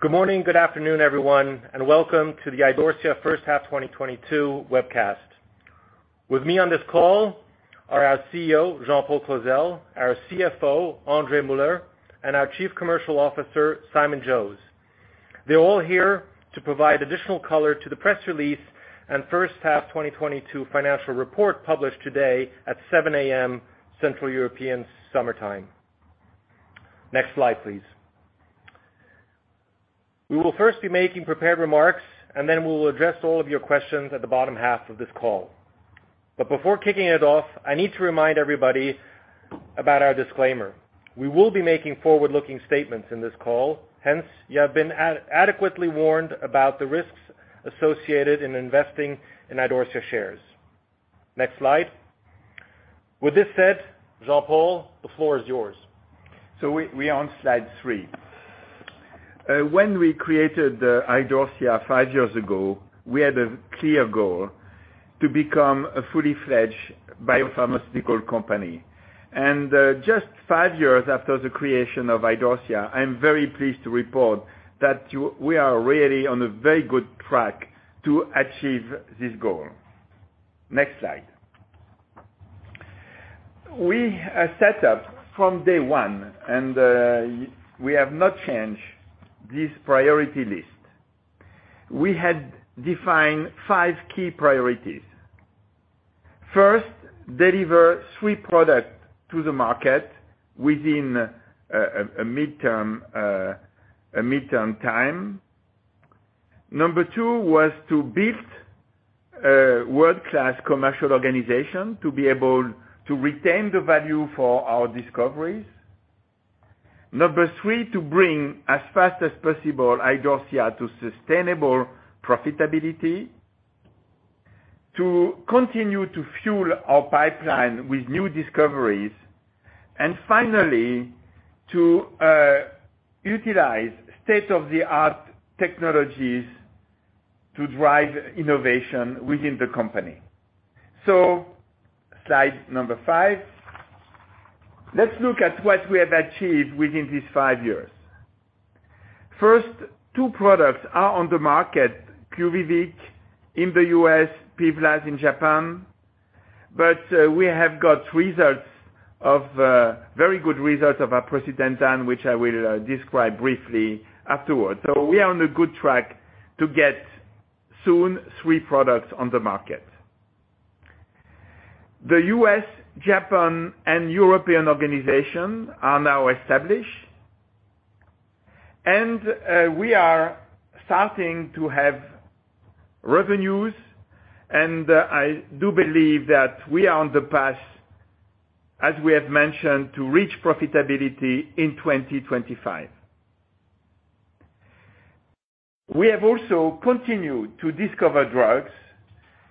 Good morning. Good afternoon, everyone, and welcome to the Idorsia First Half 2022 Webcast. With me on this call are our CEO, Jean-Paul Clozel, our CFO, André Muller, and our Chief Commercial Officer, Simon Jose. They're all here to provide additional color to the press release and first half 2022 financial report published today at 7 A.M. Central European summertime. Next slide, please. We will first be making prepared remarks, and then we'll address all of your questions at the latter half of this call. Before kicking it off, I need to remind everybody about our disclaimer. We will be making forward-looking statements in this call. Hence, you have been adequately warned about the risks associated in investing in Idorsia shares. Next slide. With this said, Jean-Paul, the floor is yours. We on slide three. When we created Idorsia five years ago, we had a clear goal to become a full-fledged biopharmaceutical company. Just five years after the creation of Idorsia, I am very pleased to report that we are really on a very good track to achieve this goal. Next slide. We are set up from day one, and we have not changed this priority list. We had defined five key priorities. First, deliver three products to the market within a midterm time. Number two was to build a world-class commercial organization to be able to retain the value for our discoveries. Number three, to bring as fast as possible Idorsia to sustainable profitability. To continue to fuel our pipeline with new discoveries. Finally, to utilize state-of-the-art technologies to drive innovation within the company. Slide number five. Let's look at what we have achieved within these five years. First, two products are on the market, QUVIVIQ in the U.S., PIVLAZ in Japan. We have got very good results of aprocitentan, which I will describe briefly afterwards. We are on a good track to get soon three products on the market. The U.S., Japan, and European organization are now established, and we are starting to have revenues. I do believe that we are on the path, as we have mentioned, to reach profitability in 2025. We have also continued to discover drugs,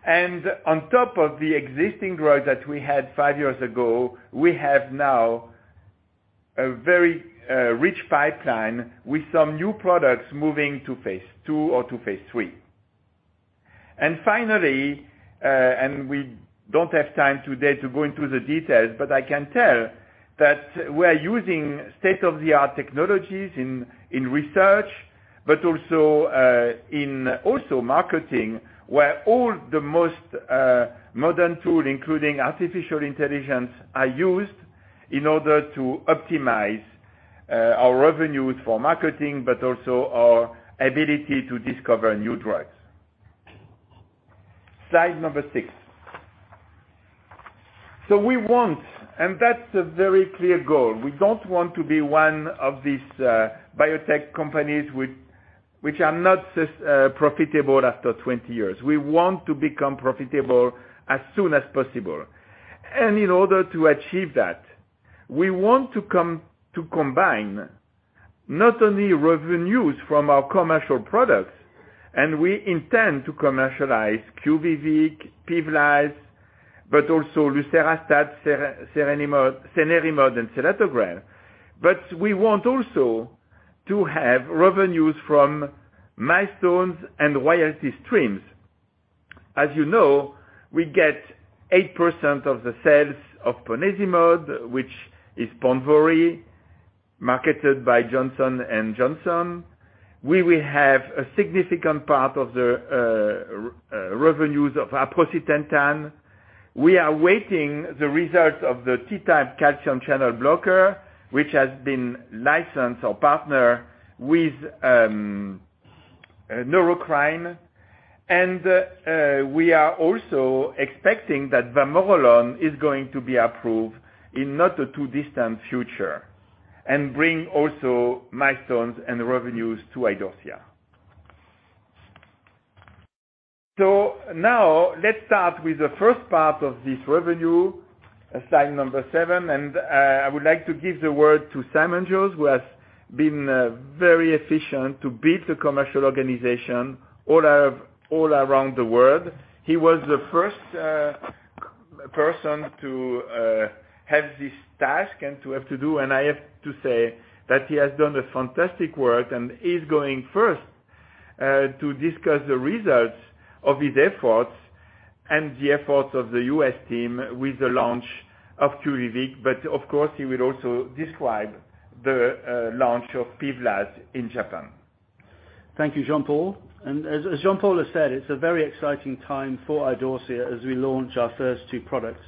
and on top of the existing drugs that we had five years ago, we have now a very rich pipeline with some new products moving to phase II or to phase III. Finally, we don't have time today to go into the details, but I can tell that we're using state-of-the-art technologies in research, but also in marketing, where all the most modern tools, including artificial intelligence, are used in order to optimize our revenues for marketing, but also our ability to discover new drugs. Slide number six. we want, and that's a very clear goal, we don't want to be one of these biotech companies which are not profitable after 20 years. We want to become profitable as soon as possible. in order to achieve that, we want to combine not only revenues from our commercial products, and we intend to commercialize QUVIVIQ, PIVLAZ, but also lucerastat, cenerimod, and selatogrel. we want also to have revenues from milestones and royalty streams. As you know, we get 8% of the sales of ponesimod, which is PONVORY, marketed by Johnson & Johnson. We will have a significant part of the revenues of aprocitentan. We are waiting the results of the T-type calcium channel blocker, which has been licensed or partnered with Neurocrine. We are also expecting that vamorolone is going to be approved in not a too distant future and bring also milestones and revenues to Idorsia. Now let's start with the first part of this revenue, slide number seven. I would like to give the word to Simon Jose, who has been very efficient to build the commercial organization all around the world. He was the first person to have this task and to have to do. I have to say that he has done a fantastic work and is going first. To discuss the results of his efforts and the efforts of the U.S. team with the launch of QUVIVIQ. Of course, he will also describe the launch of PIVLAZ in Japan. Thank you, Jean-Paul. As Jean-Paul has said, it's a very exciting time for Idorsia as we launch our first two products.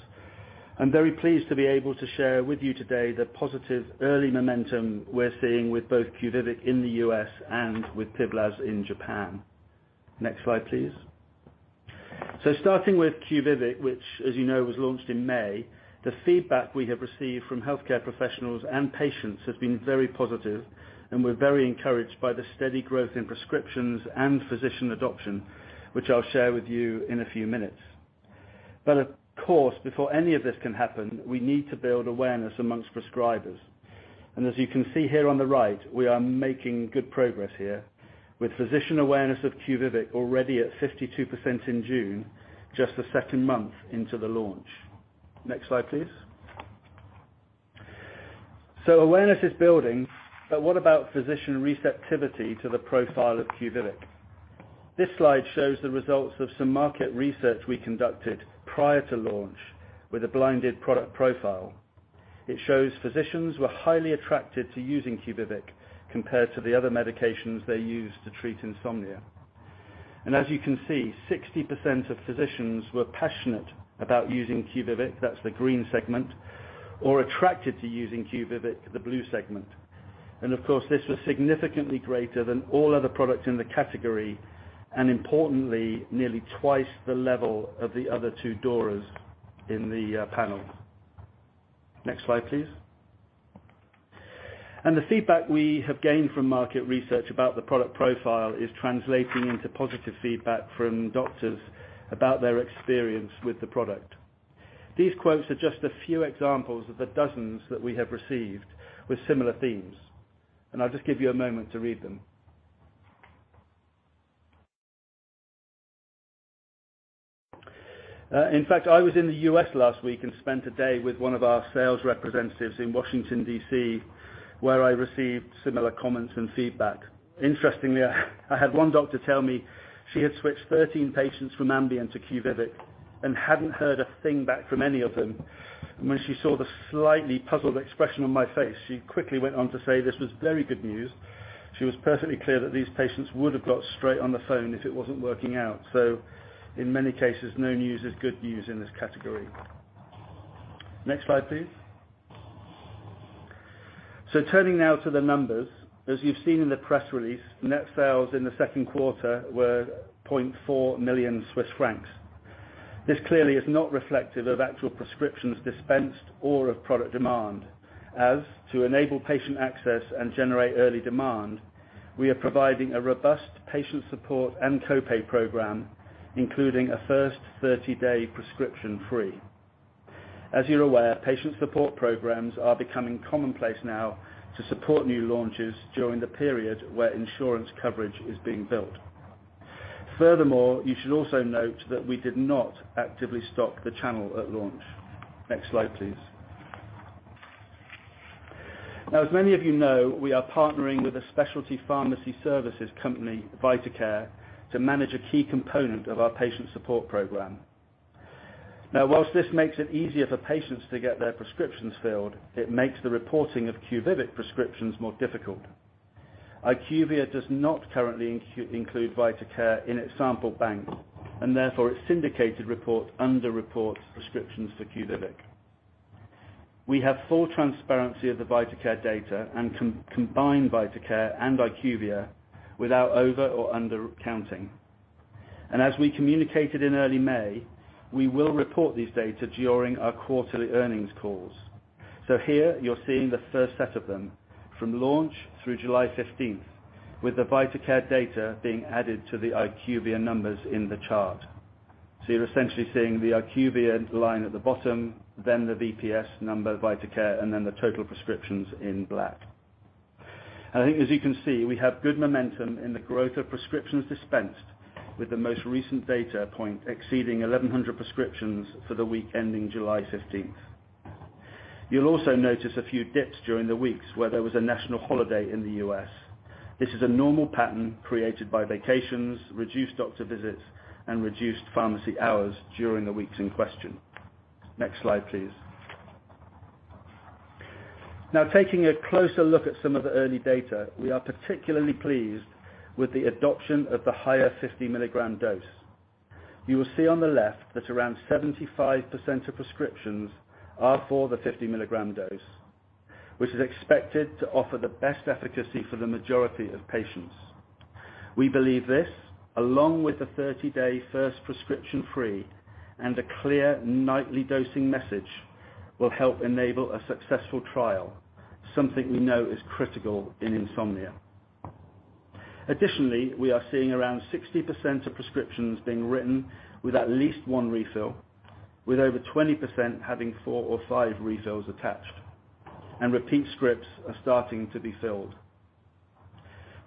I'm very pleased to be able to share with you today the positive early momentum we're seeing with both QUVIVIQ in the U.S. and with PIVLAZ in Japan. Next slide, please. Starting with QUVIVIQ, which, as you know, was launched in May. The feedback we have received from healthcare professionals and patients has been very positive, and we're very encouraged by the steady growth in prescriptions and physician adoption, which I'll share with you in a few minutes. Of course, before any of this can happen, we need to build awareness among prescribers. As you can see here on the right, we are making good progress here. With physician awareness of QUVIVIQ already at 52% in June, just the second month into the launch. Next slide, please. Awareness is building, but what about physician receptivity to the profile of QUVIVIQ? This slide shows the results of some market research we conducted prior to launch, with a blinded product profile. It shows physicians were highly attracted to using QUVIVIQ compared to the other medications they use to treat insomnia. As you can see, 60% of physicians were passionate about using QUVIVIQ, that's the green segment, or attracted to using QUVIVIQ, the blue segment. Of course, this was significantly greater than all other products in the category, and importantly, nearly twice the level of the other two DORAs in the panel. Next slide, please. The feedback we have gained from market research about the product profile is translating into positive feedback from doctors about their experience with the product. These quotes are just a few examples of the dozens that we have received with similar themes, and I'll just give you a moment to read them. In fact, I was in the U.S. last week and spent a day with one of our sales representatives in Washington, D.C., where I received similar comments and feedback. Interestingly, I had one doctor tell me she had switched 13 patients from Ambien to QUVIVIQ and hadn't heard a thing back from any of them. When she saw the slightly puzzled expression on my face, she quickly went on to say this was very good news. She was perfectly clear that these patients would have got straight on the phone if it wasn't working out. In many cases, no news is good news in this category. Next slide, please. Turning now to the numbers. As you've seen in the press release, net sales in the second quarter were 0.4 million Swiss francs. This clearly is not reflective of actual prescriptions dispensed or of product demand. As to enable patient access and generate early demand, we are providing a robust patient support and co-pay program, including a first 30-day prescription free. As you're aware, patient support programs are becoming commonplace now to support new launches during the period where insurance coverage is being built. Furthermore, you should also note that we did not actively stock the channel at launch. Next slide, please. Now, as many of you know, we are partnering with a specialty pharmacy services company, VitaCare, to manage a key component of our patient support program. Now, while this makes it easier for patients to get their prescriptions filled, it makes the reporting of QUVIVIQ prescriptions more difficult. IQVIA does not currently include VitaCare in its sample bank, and therefore its syndicated report underreports prescriptions for QUVIVIQ. We have full transparency of the VitaCare data and combined VitaCare and IQVIA without over or under counting. As we communicated in early May, we will report these data during our quarterly earnings calls. Here you're seeing the first set of them from launch through July 15th, with the VitaCare data being added to the IQVIA numbers in the chart. You're essentially seeing the IQVIA line at the bottom, then the VPS number, VitaCare, and then the total prescriptions in black. I think as you can see, we have good momentum in the growth of prescriptions dispensed with the most recent data point exceeding 1,100 prescriptions for the week ending July 15th. You'll also notice a few dips during the weeks where there was a national holiday in the U.S. This is a normal pattern created by vacations, reduced doctor visits, and reduced pharmacy hours during the weeks in question. Next slide, please. Now, taking a closer look at some of the early data, we are particularly pleased with the adoption of the higher 50 mg dose. You will see on the left that around 75% of prescriptions are for the 50 mg dose, which is expected to offer the best efficacy for the majority of patients. We believe this, along with the 30-day first prescription free and a clear nightly dosing message, will help enable a successful trial, something we know is critical in insomnia. Additionally, we are seeing around 60% of prescriptions being written with at least one refill, with over 20% having four or five refills attached, and repeat scripts are starting to be filled.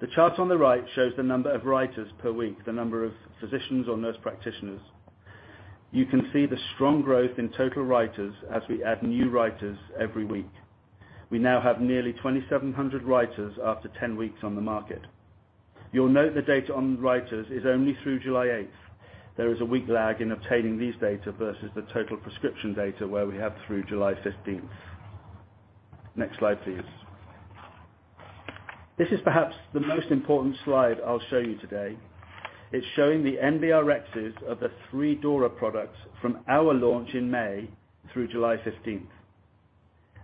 The chart on the right shows the number of writers per week, the number of physicians or nurse practitioners. You can see the strong growth in total writers as we add new writers every week. We now have nearly 2,700 writers after 10 weeks on the market. You'll note the data on writers is only through July 8th. There is a week lag in obtaining these data versus the total prescription data where we have through July 15th. Next slide, please. This is perhaps the most important slide I'll show you today. It's showing the NBRx's of the three DORA products from our launch in May through July 15th.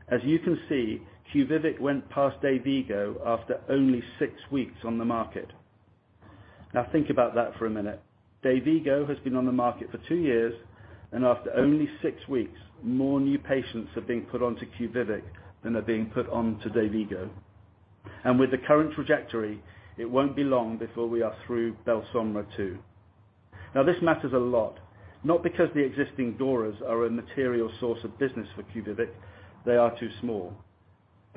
As you can see, QUVIVIQ went past Dayvigo after only six weeks on the market. Now think about that for a minute. Dayvigo has been on the market for two years, and after only six weeks, more new patients have been put onto QUVIVIQ than are being put on to Dayvigo. With the current trajectory, it won't be long before we are through Belsomra too. Now, this matters a lot, not because the existing DORAs are a material source of business for QUVIVIQ, they are too small,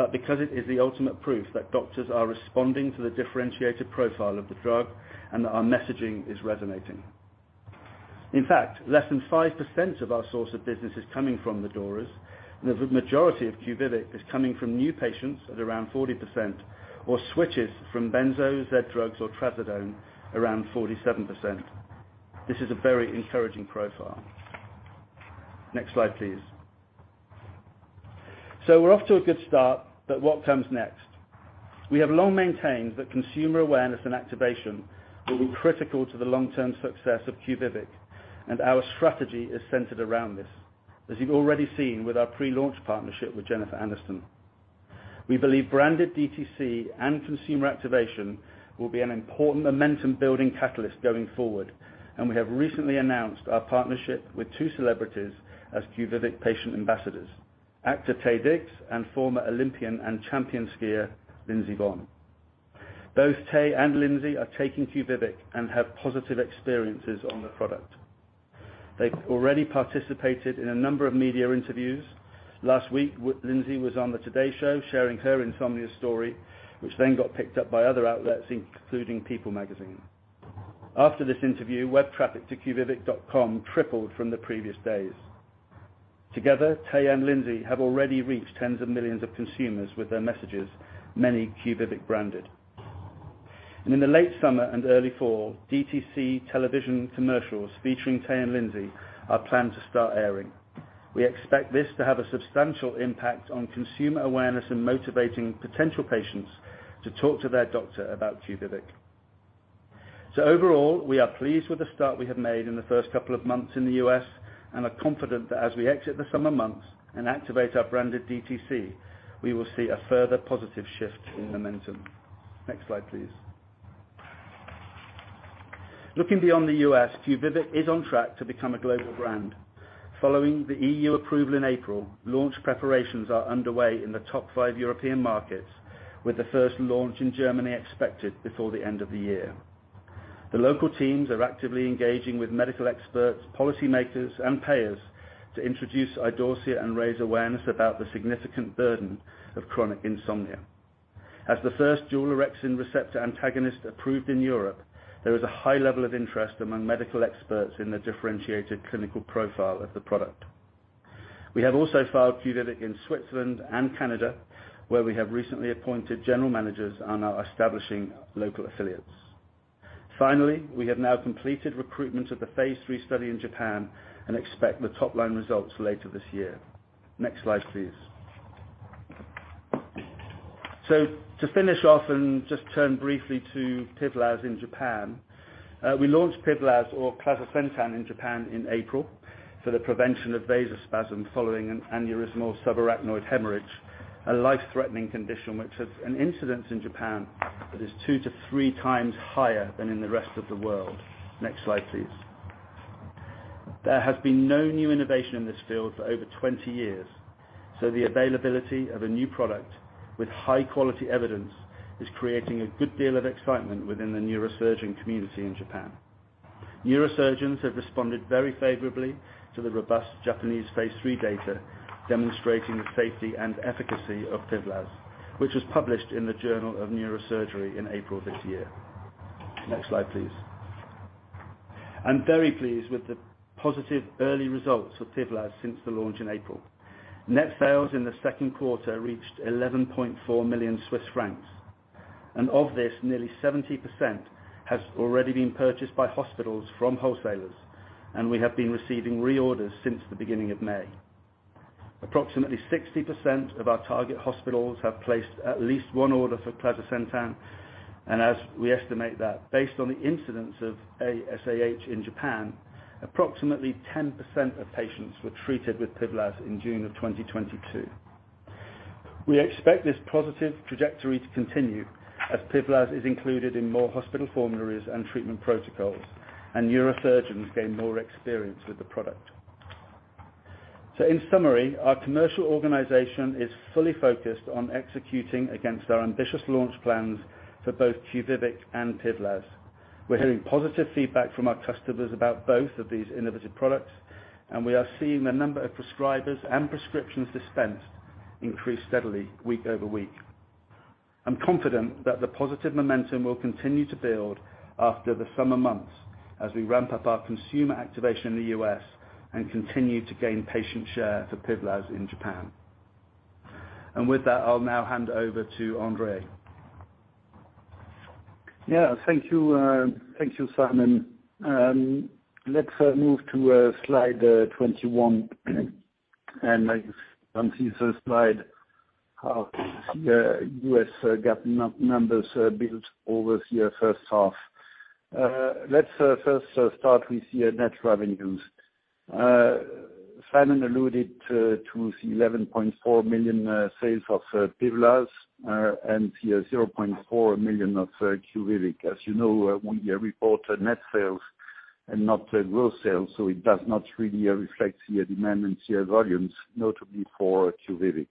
but because it is the ultimate proof that doctors are responding to the differentiated profile of the drug and that our messaging is resonating. In fact, less than 5% of our source of business is coming from the DORAs. The majority of QUVIVIQ is coming from new patients at around 40% or switches from benzos, Z-drugs, or trazodone around 47%. This is a very encouraging profile. Next slide, please. We're off to a good start, but what comes next? We have long maintained that consumer awareness and activation will be critical to the long-term success of QUVIVIQ, and our strategy is centered around this, as you've already seen with our pre-launch partnership with Jennifer Aniston. We believe branded DTC and consumer activation will be an important momentum-building catalyst going forward. We have recently announced our partnership with two celebrities as QUVIVIQ patient ambassadors, actor Taye Diggs and former Olympian and champion skier, Lindsey Vonn. Both Taye and Lindsey are taking QUVIVIQ and have positive experiences on the product. They've already participated in a number of media interviews. Last week, Lindsey was on the Today show sharing her insomnia story, which then got picked up by other outlets, including People magazine. After this interview, web traffic to QUVIVIQ.com tripled from the previous days. Together, Taye and Lindsey have already reached tens of millions of consumers with their messages, many QUVIVIQ branded. In the late summer and early fall, DTC television commercials featuring Taye and Lindsey are planned to start airing. We expect this to have a substantial impact on consumer awareness and motivating potential patients to talk to their doctor about QUVIVIQ. Overall, we are pleased with the start we have made in the first couple of months in the U.S. and are confident that as we exit the summer months and activate our branded DTC, we will see a further positive shift in momentum. Next slide, please. Looking beyond the U.S., QUVIVIQ is on track to become a global brand. Following the E.U. approval in April, launch preparations are underway in the top five European markets, with the first launch in Germany expected before the end of the year. The local teams are actively engaging with medical experts, policymakers, and payers to introduce Idorsia and raise awareness about the significant burden of chronic insomnia. As the first dual orexin receptor antagonist approved in Europe, there is a high level of interest among medical experts in the differentiated clinical profile of the product. We have also filed QUVIVIQ in Switzerland and Canada, where we have recently appointed general managers and are establishing local affiliates. Finally, we have now completed recruitment of the phase III study in Japan and expect the top line results later this year. Next slide, please. To finish off and just turn briefly to PIVLAZ in Japan, we launched PIVLAZ or clazosentan in Japan in April for the prevention of vasospasm following an aneurysmal subarachnoid hemorrhage, a life-threatening condition which has an incidence in Japan that is 2x-3x higher than in the rest of the world. Next slide, please. There has been no new innovation in this field for over 20 years, so the availability of a new product with high-quality evidence is creating a good deal of excitement within the neurosurgeon community in Japan. Neurosurgeons have responded very favorably to the robust Japanese phase III data demonstrating the safety and efficacy of PIVLAZ, which was published in the Journal of Neurosurgery in April this year. Next slide, please. I'm very pleased with the positive early results of PIVLAZ since the launch in April. Net sales in the second quarter reached 11.4 million Swiss francs, and of this, nearly 70% has already been purchased by hospitals from wholesalers, and we have been receiving reorders since the beginning of May. Approximately 60% of our target hospitals have placed at least one order for clazosentan, and as we estimate that based on the incidence of aSAH in Japan, approximately 10% of patients were treated with PIVLAZ in June 2022. We expect this positive trajectory to continue as PIVLAZ is included in more hospital formularies and treatment protocols, and neurosurgeons gain more experience with the product. In summary, our commercial organization is fully focused on executing against our ambitious launch plans for both QUVIVIQ and PIVLAZ. We're hearing positive feedback from our customers about both of these innovative products, and we are seeing the number of prescribers and prescriptions dispensed increase steadily week over week. I'm confident that the positive momentum will continue to build after the summer months as we ramp up our consumer activation in the U.S. and continue to gain patient share for PIVLAZ in Japan. With that, I'll now hand over to André. Thank you. Thank you, Simon. Let's move to slide 21. I don't see on the slide how the U.S. GAAP numbers build over the first half. Let's first start with the net revenues. Simon alluded to the 11.4 million sales of PIVLAZ and the 0.4 million of QUVIVIQ. As you know, we report net sales and not the gross sales, so it does not really reflect the demand and sales volumes, notably for QUVIVIQ.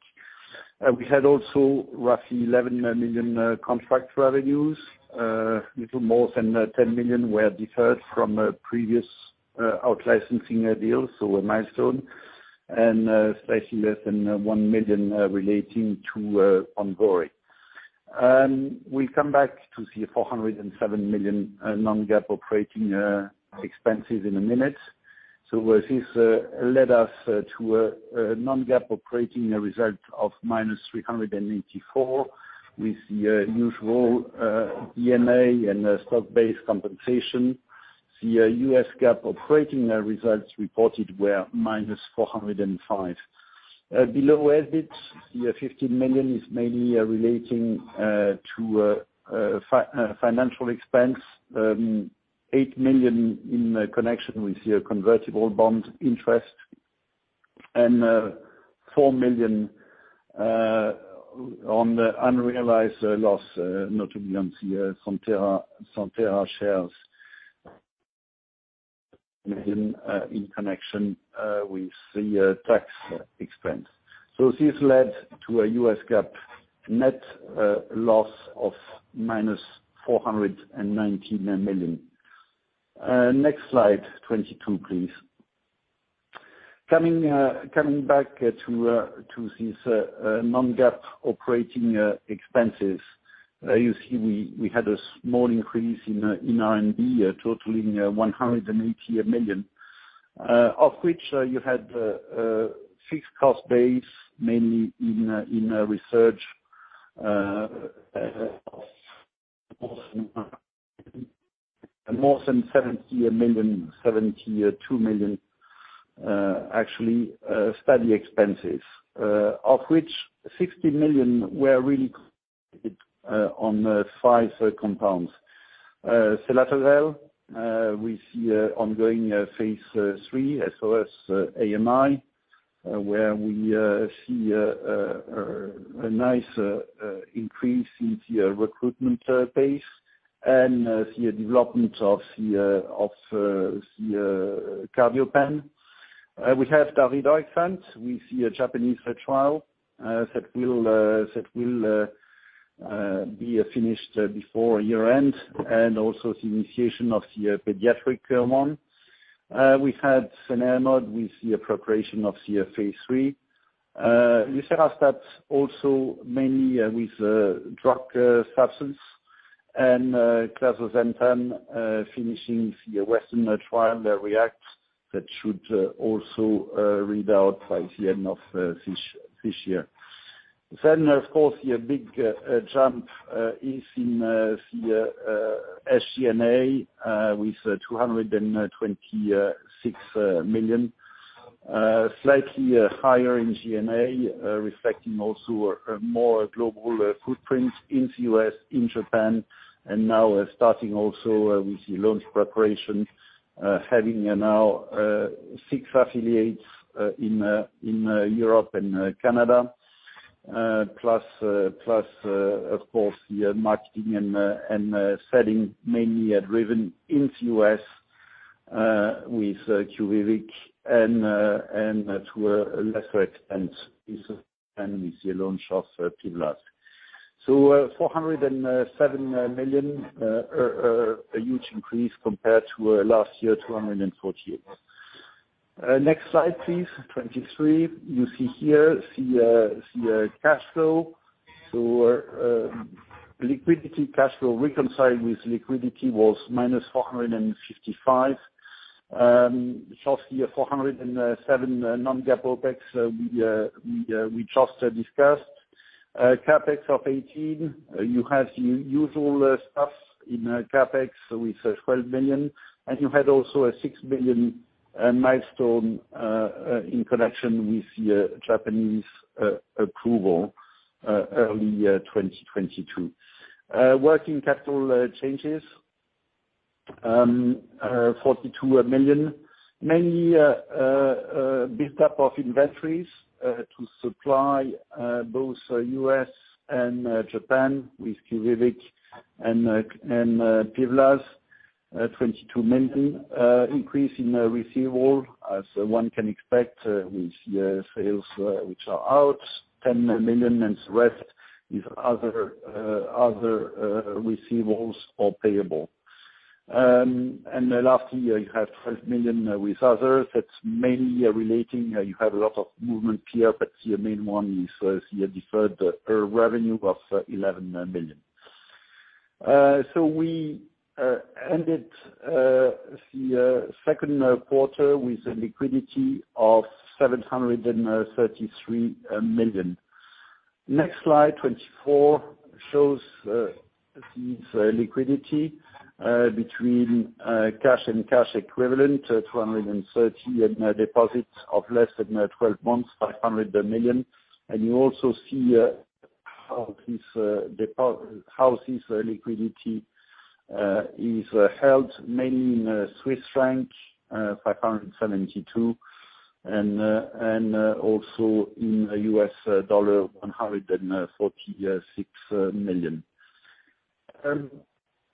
We had also roughly 11 million contract revenues, little more than 10 million were deferred from a previous out-licensing deal, so a milestone, and slightly less than 1 million relating to Ongory. We come back to the 407 million non-GAAP operating expenses in a minute. This led us to a non-GAAP operating result of -384 million with the usual D&A and stock-based compensation. The U.S. GAAP operating results reported were -405 million. Below EBIT, the 15 million is mainly relating to financial expense, 8 million in connection with your convertible bond interest and 4 million on the unrealized loss, notably on the Santhera shares in connection with the tax expense. This led to a U.S. GAAP net loss of -490 million. Next slide, 22, please. Coming back to this non-GAAP operating expenses, you see, we had a small increase in R&D totaling 180 million, of which you had a fixed cost base, mainly in research, more than 72 million, actually, study expenses, of which 60 million were really on five compounds. Selatogrel with the ongoing phase III SOS-AMI, where we see a nice increase in the recruitment base and the development of the Cardiorenal. We have daridorexant with the Japanese trial that will be finished before year-end, and also the initiation of the pediatric one. We had cenerimod with the completion of the phase III. Lucerastat also mainly with drug substance and clazosentan finishing the western trial, REACT, that should also read out by the end of this year. Of course, your big jump is in the SG&A with 226 million, slightly higher in G&A, reflecting also a more global footprint in the U.S., in Japan, and now starting also with the launch preparation, having now six affiliates in Europe and Canada, plus, of course, the marketing and selling mainly are driven in the U.S. with QUVIVIQ and to a lesser extent with the launch of PIVLAZ. 407 million, a huge increase compared to last year, 248. Next slide, please. 23. You see here the cash flow. Liquidity cash flow reconciled with liquidity was -455. Shortly at 407 non-GAAP OpEx, we just discussed. CapEx of 18 million, you have usual stuff in CapEx with 12 million, and you had also a 6 million milestone in connection with the Japanese approval early 2022. Working capital changes, CHF 42 million, mainly buildup of inventories to supply both U.S. and Japan with QUVIVIQ and PIVLAZ. 22 million increase in receivables, as one can expect with the sales which are out. 10 million and the rest is other receivables or payables. Last year you had 12 million with others. That's mainly relating. You have a lot of movement here, but your main one is your deferred revenue of 11 million. We ended the second quarter with a liquidity of 733 million. Next slide, 24, shows this liquidity between cash and cash equivalents of 230 million and deposits of less than 12 months, 500 million. You also see how this liquidity is held mainly in Swiss francs, 572 million, and also in US dollars, $146 million.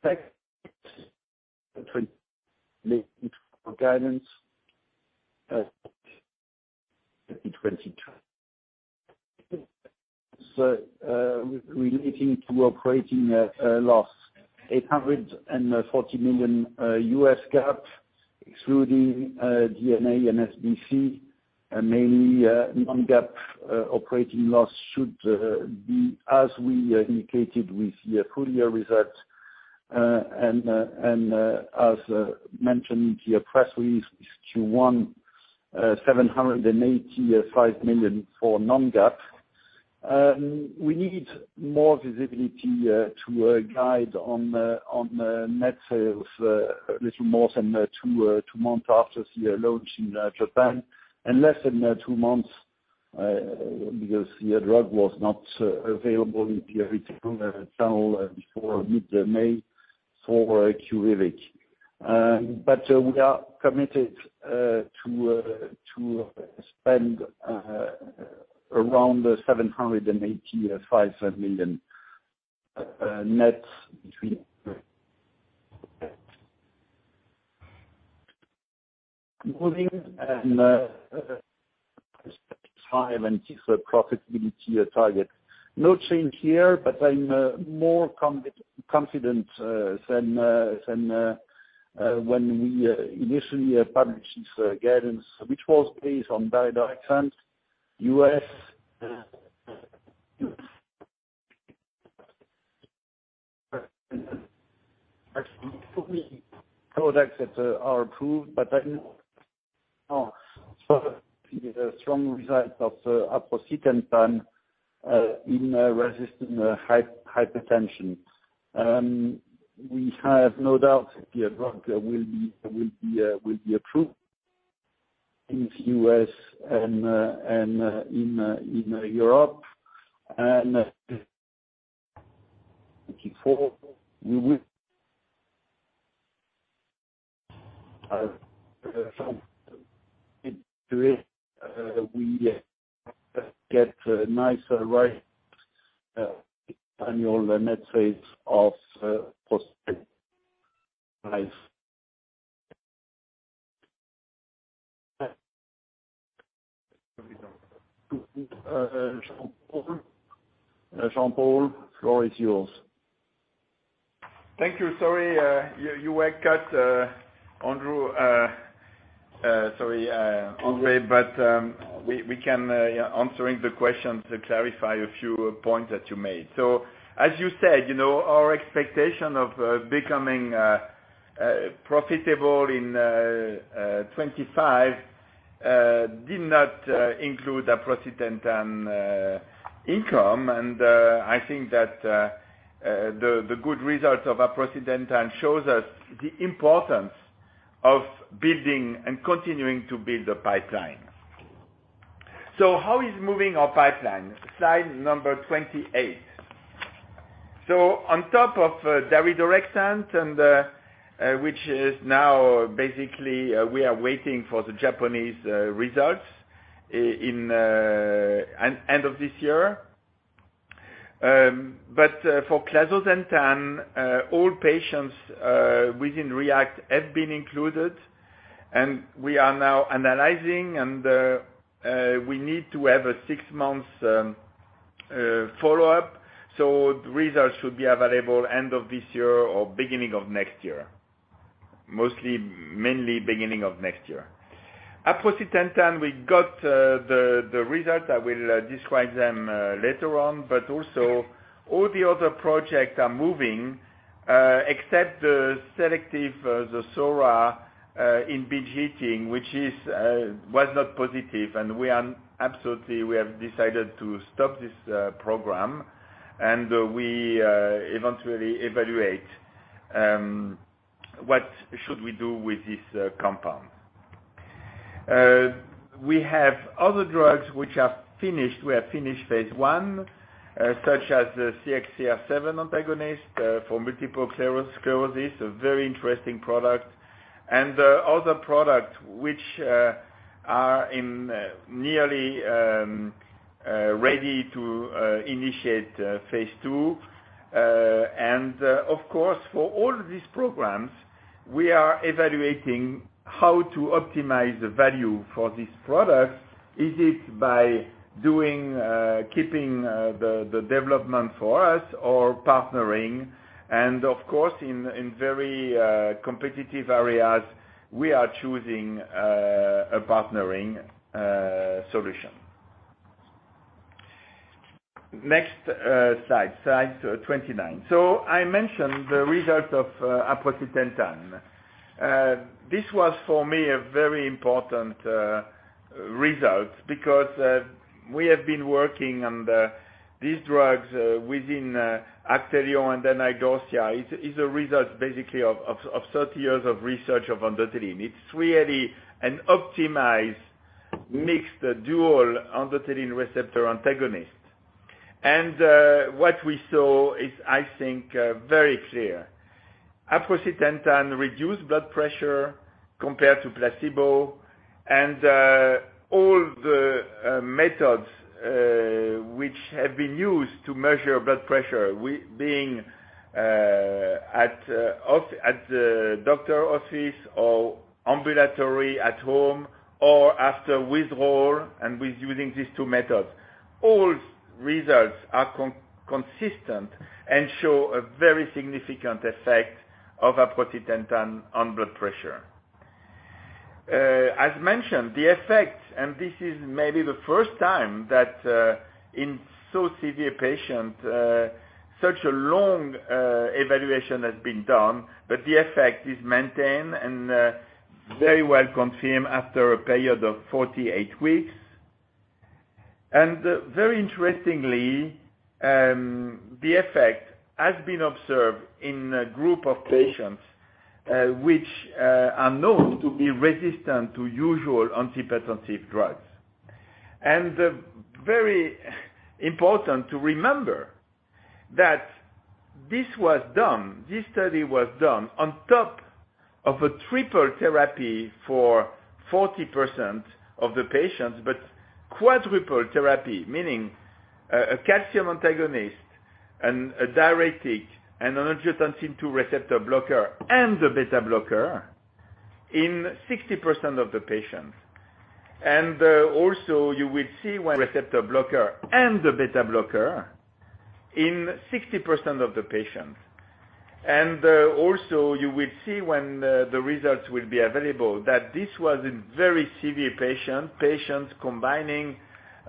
Next guidance 2020. Relating to operating loss, 840 million U.S. GAAP excluding D&A and SBC, and mainly non-GAAP operating loss should be as we indicated with your full year results. As mentioned in your press release, Q1 785 million for non-GAAP. We need more visibility to guide on net sales, a little more than two months after the launch in Japan and less than two months because your drug was not available in the retail channel before mid-May for PIVLAZ. We are committed to spend around 785 million net between R&D and SG&A and time and profitability target. No change here, but I'm more confident than when we initially published this guidance, which was based on our directly funded U.S. products that are approved. I know the strong results of aprocitentan in resistant hypertension. We have no doubt the drug will be approved in the U.S. and in Europe. We will get higher annual net sales of over CHF 500 million. Jean-Paul. Jean-Paul, the floor is yours. Thank you. Sorry, you were cut, André. Sorry, André, but we can answer the question to clarify a few points that you made. As you said, you know, our expectation of becoming profitable in 2025 did not include aprocitentan income. I think that the good results of aprocitentan show us the importance of building and continuing to build a pipeline. How is our pipeline moving? Slide number 28. On top of daridorexant, which is now basically we are waiting for the Japanese results in end of this year. For clazosentan, all patients within REACT have been included, and we are now analyzing, and we need to have a six months follow-up. The results should be available end of this year or beginning of next year. Mostly, mainly beginning of next year. Aprocitentan, we got the results. I will describe them later on. All the other projects are moving except the selective DORA in BPH, which was not positive. We are absolutely, we have decided to stop this program and we eventually evaluate what should we do with this compound. We have other drugs which are finished. We have finished phase I such as the CXCR7 antagonist for multiple sclerosis, a very interesting product. The other product, which are nearly ready to initiate phase II. Of course, for all these programs, we are evaluating how to optimize the value for this product. Is it by doing keeping the development for us or partnering? Of course, in very competitive areas, we are choosing a partnering solution. Next, slide 29. I mentioned the result of aprocitentan. This was for me a very important result because we have been working on these drugs within Actelion and then Idorsia. It's a result basically of 30 years of research of endothelin. It's really an optimized mixed dual endothelin receptor antagonist. What we saw is, I think, very clear. Aprocitentan reduced blood pressure compared to placebo and all the methods which have been used to measure blood pressure, being at the doctor office or ambulatory at home or after withdrawal and with using these two methods. All results are consistent and show a very significant effect of aprocitentan on blood pressure. As mentioned, the effect, and this is maybe the first time that in so severe patient such a long evaluation has been done, but the effect is maintained and very well confirmed after a period of 48 weeks. Very interestingly, the effect has been observed in a group of patients which are known to be resistant to usual antihypertensive drugs. Very important to remember that this was done, this study was done on top of a triple therapy for 40% of the patients, but quadruple therapy, meaning, a calcium antagonist and a diuretic, an angiotensin II receptor blocker, and a beta blocker in 60% of the patients. Also you will see when the results will be available, that this was in very severe patients combining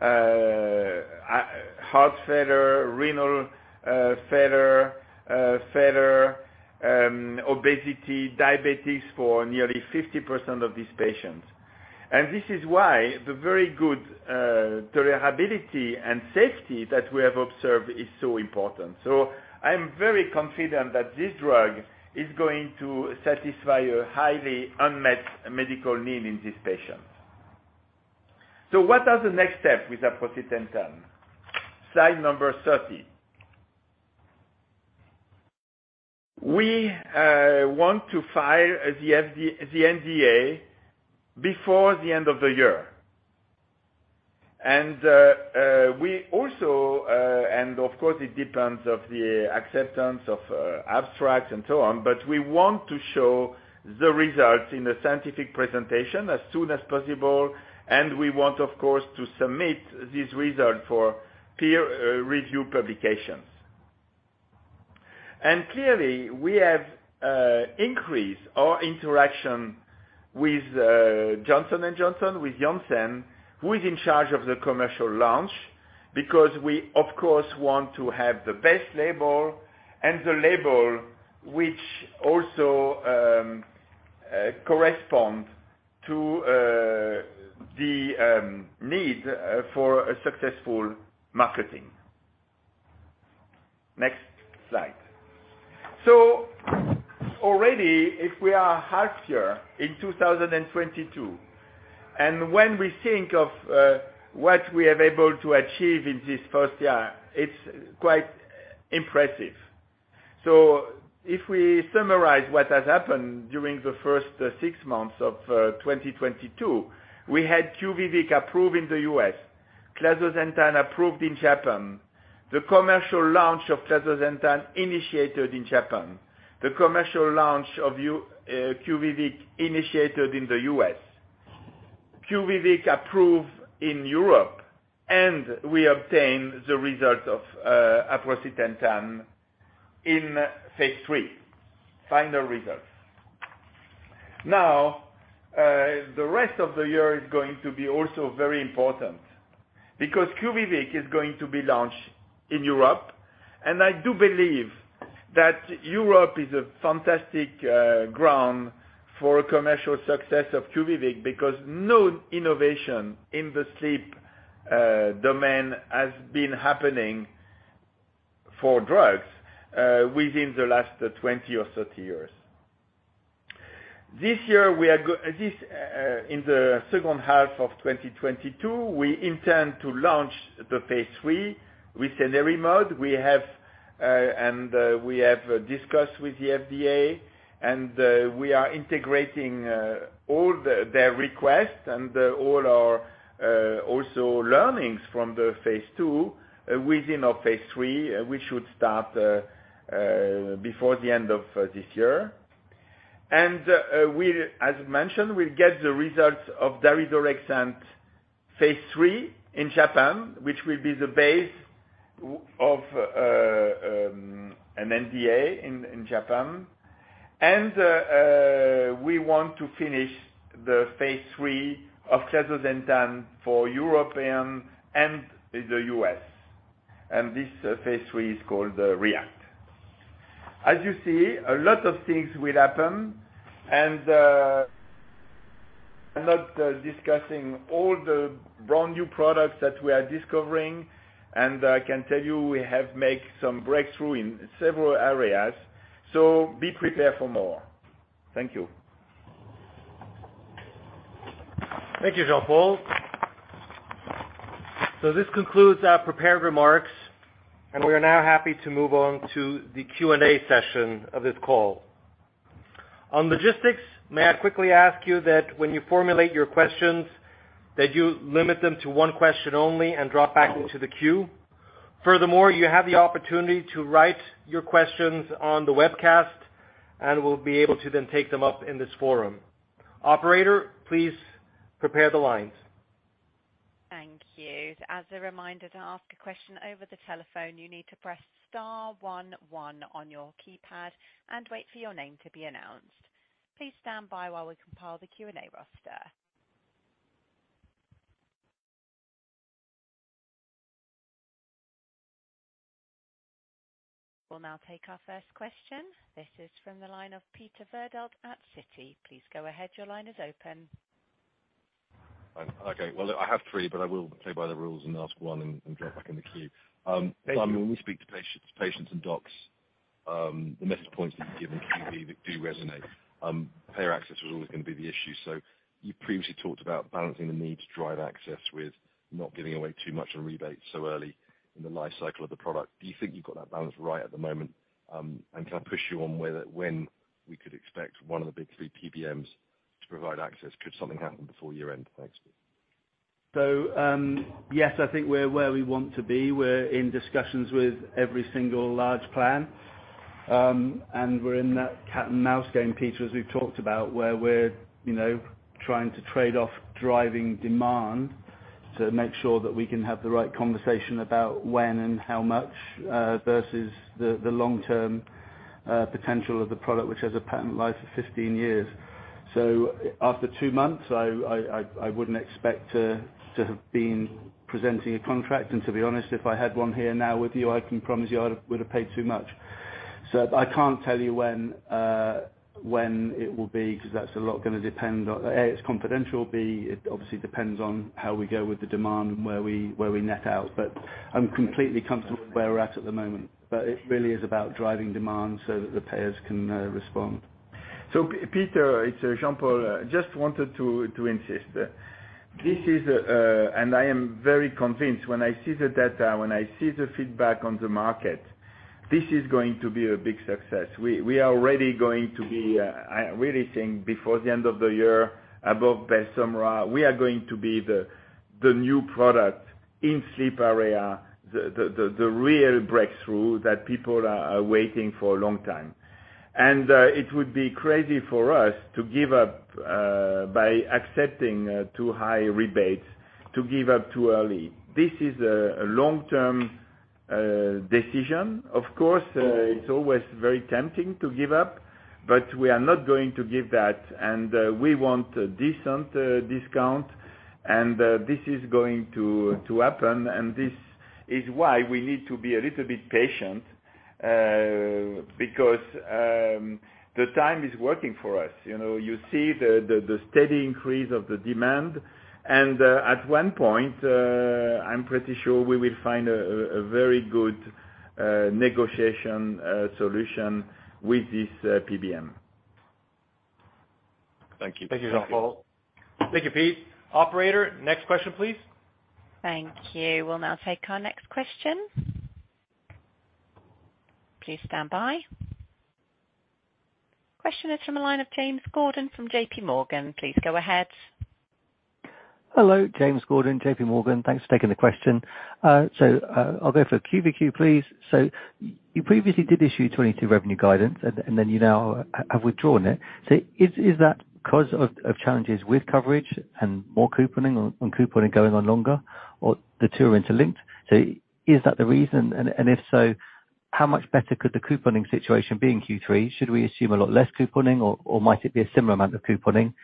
heart failure, renal failure, obesity, diabetes for nearly 50% of these patients. This is why the very good tolerability and safety that we have observed is so important. I'm very confident that this drug is going to satisfy a highly unmet medical need in these patients. What are the next steps with aprocitentan? Slide number 30. We want to file the NDA before the end of the year. We also, of course it depends on the acceptance of abstracts and so on, but we want to show the results in a scientific presentation as soon as possible, and we want, of course, to submit this result for peer review publications. Clearly, we have increased our interaction with Johnson & Johnson, with Janssen, who is in charge of the commercial launch, because we of course want to have the best label and the label which also correspond to the need for a successful marketing. Next slide. Already, if we are half year in 2022, and when we think of what we are able to achieve in this first year, it's quite impressive. If we summarize what has happened during the first six months of 2022, we had QUVIVIQ approved in the U.S., clazosentan approved in Japan, the commercial launch of clazosentan initiated in Japan, the commercial launch of QUVIVIQ initiated in the U.S., QUVIVIQ approved in Europe, and we obtained the results of aprocitentan in phase III, final results. Now, the rest of the year is going to be also very important because QUVIVIQ is going to be launched in Europe. I do believe that Europe is a fantastic ground for commercial success of QUVIVIQ because no innovation in the sleep domain has been happening for drugs within the last 20 or 30 years. In the second half of 2022, we intend to launch the phase III with cenerimod. We have discussed with the FDA and we are integrating all the requests and all our also learnings from the phase II within our phase III, which should start before the end of this year. As mentioned, we'll get the results of daridorexant phase III in Japan, which will be the base of an NDA in Japan. We want to finish the phase III of clazosentan for Europe and the US. This phase III is called REACT. As you see, a lot of things will happen, and I'm not discussing all the brand-new products that we are discovering, and I can tell you we have made some breakthrough in several areas, so be prepared for more. Thank you. Thank you, Jean-Paul. This concludes our prepared remarks, and we are now happy to move on to the Q&A session of this call. On logistics, may I quickly ask you that when you formulate your questions, that you limit them to one question only and drop back into the queue. Furthermore, you have the opportunity to write your questions on the webcast, and we'll be able to then take them up in this forum. Operator, please prepare the lines. Thank you. As a reminder, to ask a question over the telephone, you need to press star one one on your keypad and wait for your name to be announced. Please stand by while we compile the Q&A roster. We'll now take our first question. This is from the line of Peter Verdult at Citi. Please go ahead. Your line is open. Okay. Well, look, I have three, but I will play by the rules and ask one and drop back in the queue. Thank you. When we speak to patients and docs, the message points that you've given do resonate. Payer access was always gonna be the issue. You previously talked about balancing the need to drive access with not giving away too much on rebates so early in the life cycle of the product. Do you think you've got that balance right at the moment? And can I push you on whether when we could expect one of the big three PBMs to provide access? Could something happen before year-end? Thanks. Yes, I think we're where we want to be. We're in discussions with every single large plan. We're in that cat-and-mouse game, Peter, as we've talked about, where we're, you know, trying to trade off driving demand to make sure that we can have the right conversation about when and how much versus the long-term potential of the product, which has a patent life of 15 years. After two months, I wouldn't expect to have been presenting a contract. To be honest, if I had one here now with you, I can promise you I would've paid too much. I can't tell you when it will be, 'cause that's a lot gonna depend on, A, it's confidential. B, it obviously depends on how we go with the demand and where we net out. I'm completely comfortable where we're at the moment. It really is about driving demand so that the payers can respond. Peter, it's Jean-Paul. Just wanted to insist. This is, and I am very convinced when I see the data, when I see the feedback on the market, this is going to be a big success. We are already going to be, I really think before the end of the year above Belsomra. We are going to be the new product in sleep area, the real breakthrough that people are waiting for a long time. It would be crazy for us to give up by accepting too high rebates, to give up too early. This is a long-term decision. Of course, it's always very tempting to give up, but we are not going to give that. We want a decent discount and this is going to happen, and this is why we need to be a little bit patient, because the time is working for us. You know, you see the steady increase of the demand, and at one point, I'm pretty sure we will find a very good negotiation solution with this PBM. Thank you. Thank you, Jean-Paul. Thank you, Pete. Operator, next question, please. Thank you. We'll now take our next question. Please stand by. Question is from the line of James Gordon from JPMorgan. Please go ahead. Hello, James Gordon, JPMorgan. Thanks for taking the question. I'll go for QUVIVIQ, please. You previously did issue 2022 revenue guidance, and then you now have withdrawn it. Is that 'cause of challenges with coverage and more couponing or couponing going on longer, or the two are interlinked? Is that the reason? If so, how much better could the couponing situation be in Q3? Should we assume a lot less couponing or might it be a similar amount of couponing?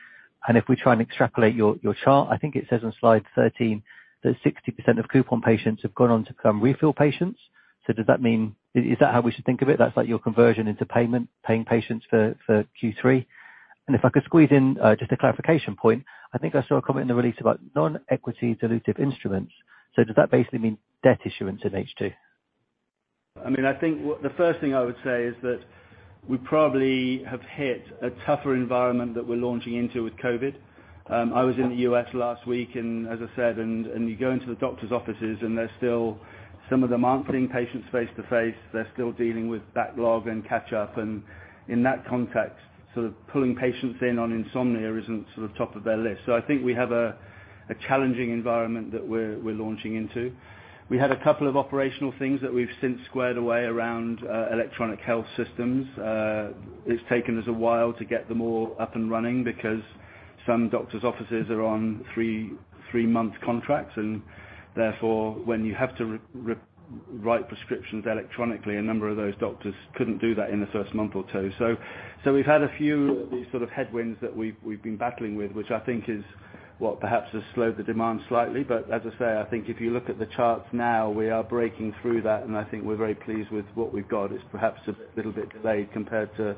If we try and extrapolate your chart, I think it says on slide 13 that 60% of coupon patients have gone on to become refill patients. Does that mean that is how we should think of it? That's like your conversion into paying patients for Q3? If I could squeeze in, just a clarification point. I think I saw a comment in the release about non-equity dilutive instruments. Does that basically mean debt issuance in H2? I mean, I think the first thing I would say is that we probably have hit a tougher environment that we're launching into with COVID. I was in the U.S. last week and as I said, you go into the doctor's offices, and they're still, some of them aren't seeing patients face-to-face. They're still dealing with backlog and catch up. In that context, pulling patients in on insomnia isn't top of their list. I think we have a challenging environment that we're launching into. We had a couple of operational things that we've since squared away around electronic health systems. It's taken us a while to get them all up and running because some doctor's offices are on three-month contracts, and therefore, when you have to write prescriptions electronically, a number of those doctors couldn't do that in the first month or two. So we've had a few sort of headwinds that we've been battling with, which I think is what perhaps has slowed the demand slightly. But as I say, I think if you look at the charts now, we are breaking through that, and I think we're very pleased with what we've got. It's perhaps a little bit delayed compared to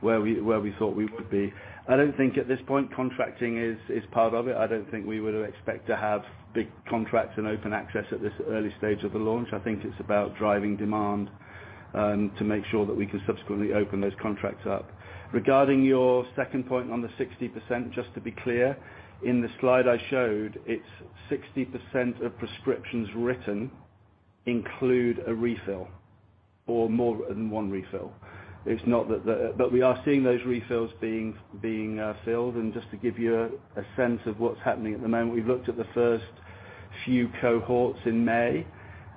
where we thought we would be. I don't think at this point, contracting is part of it. I don't think we would expect to have big contracts and open access at this early stage of the launch. I think it's about driving demand to make sure that we can subsequently open those contracts up. Regarding your second point on the 60%, just to be clear, in the slide I showed, it's 60% of prescriptions written include a refill or more than one refill. It's not that. We are seeing those refills being filled. Just to give you a sense of what's happening at the moment, we've looked at the first few cohorts in May,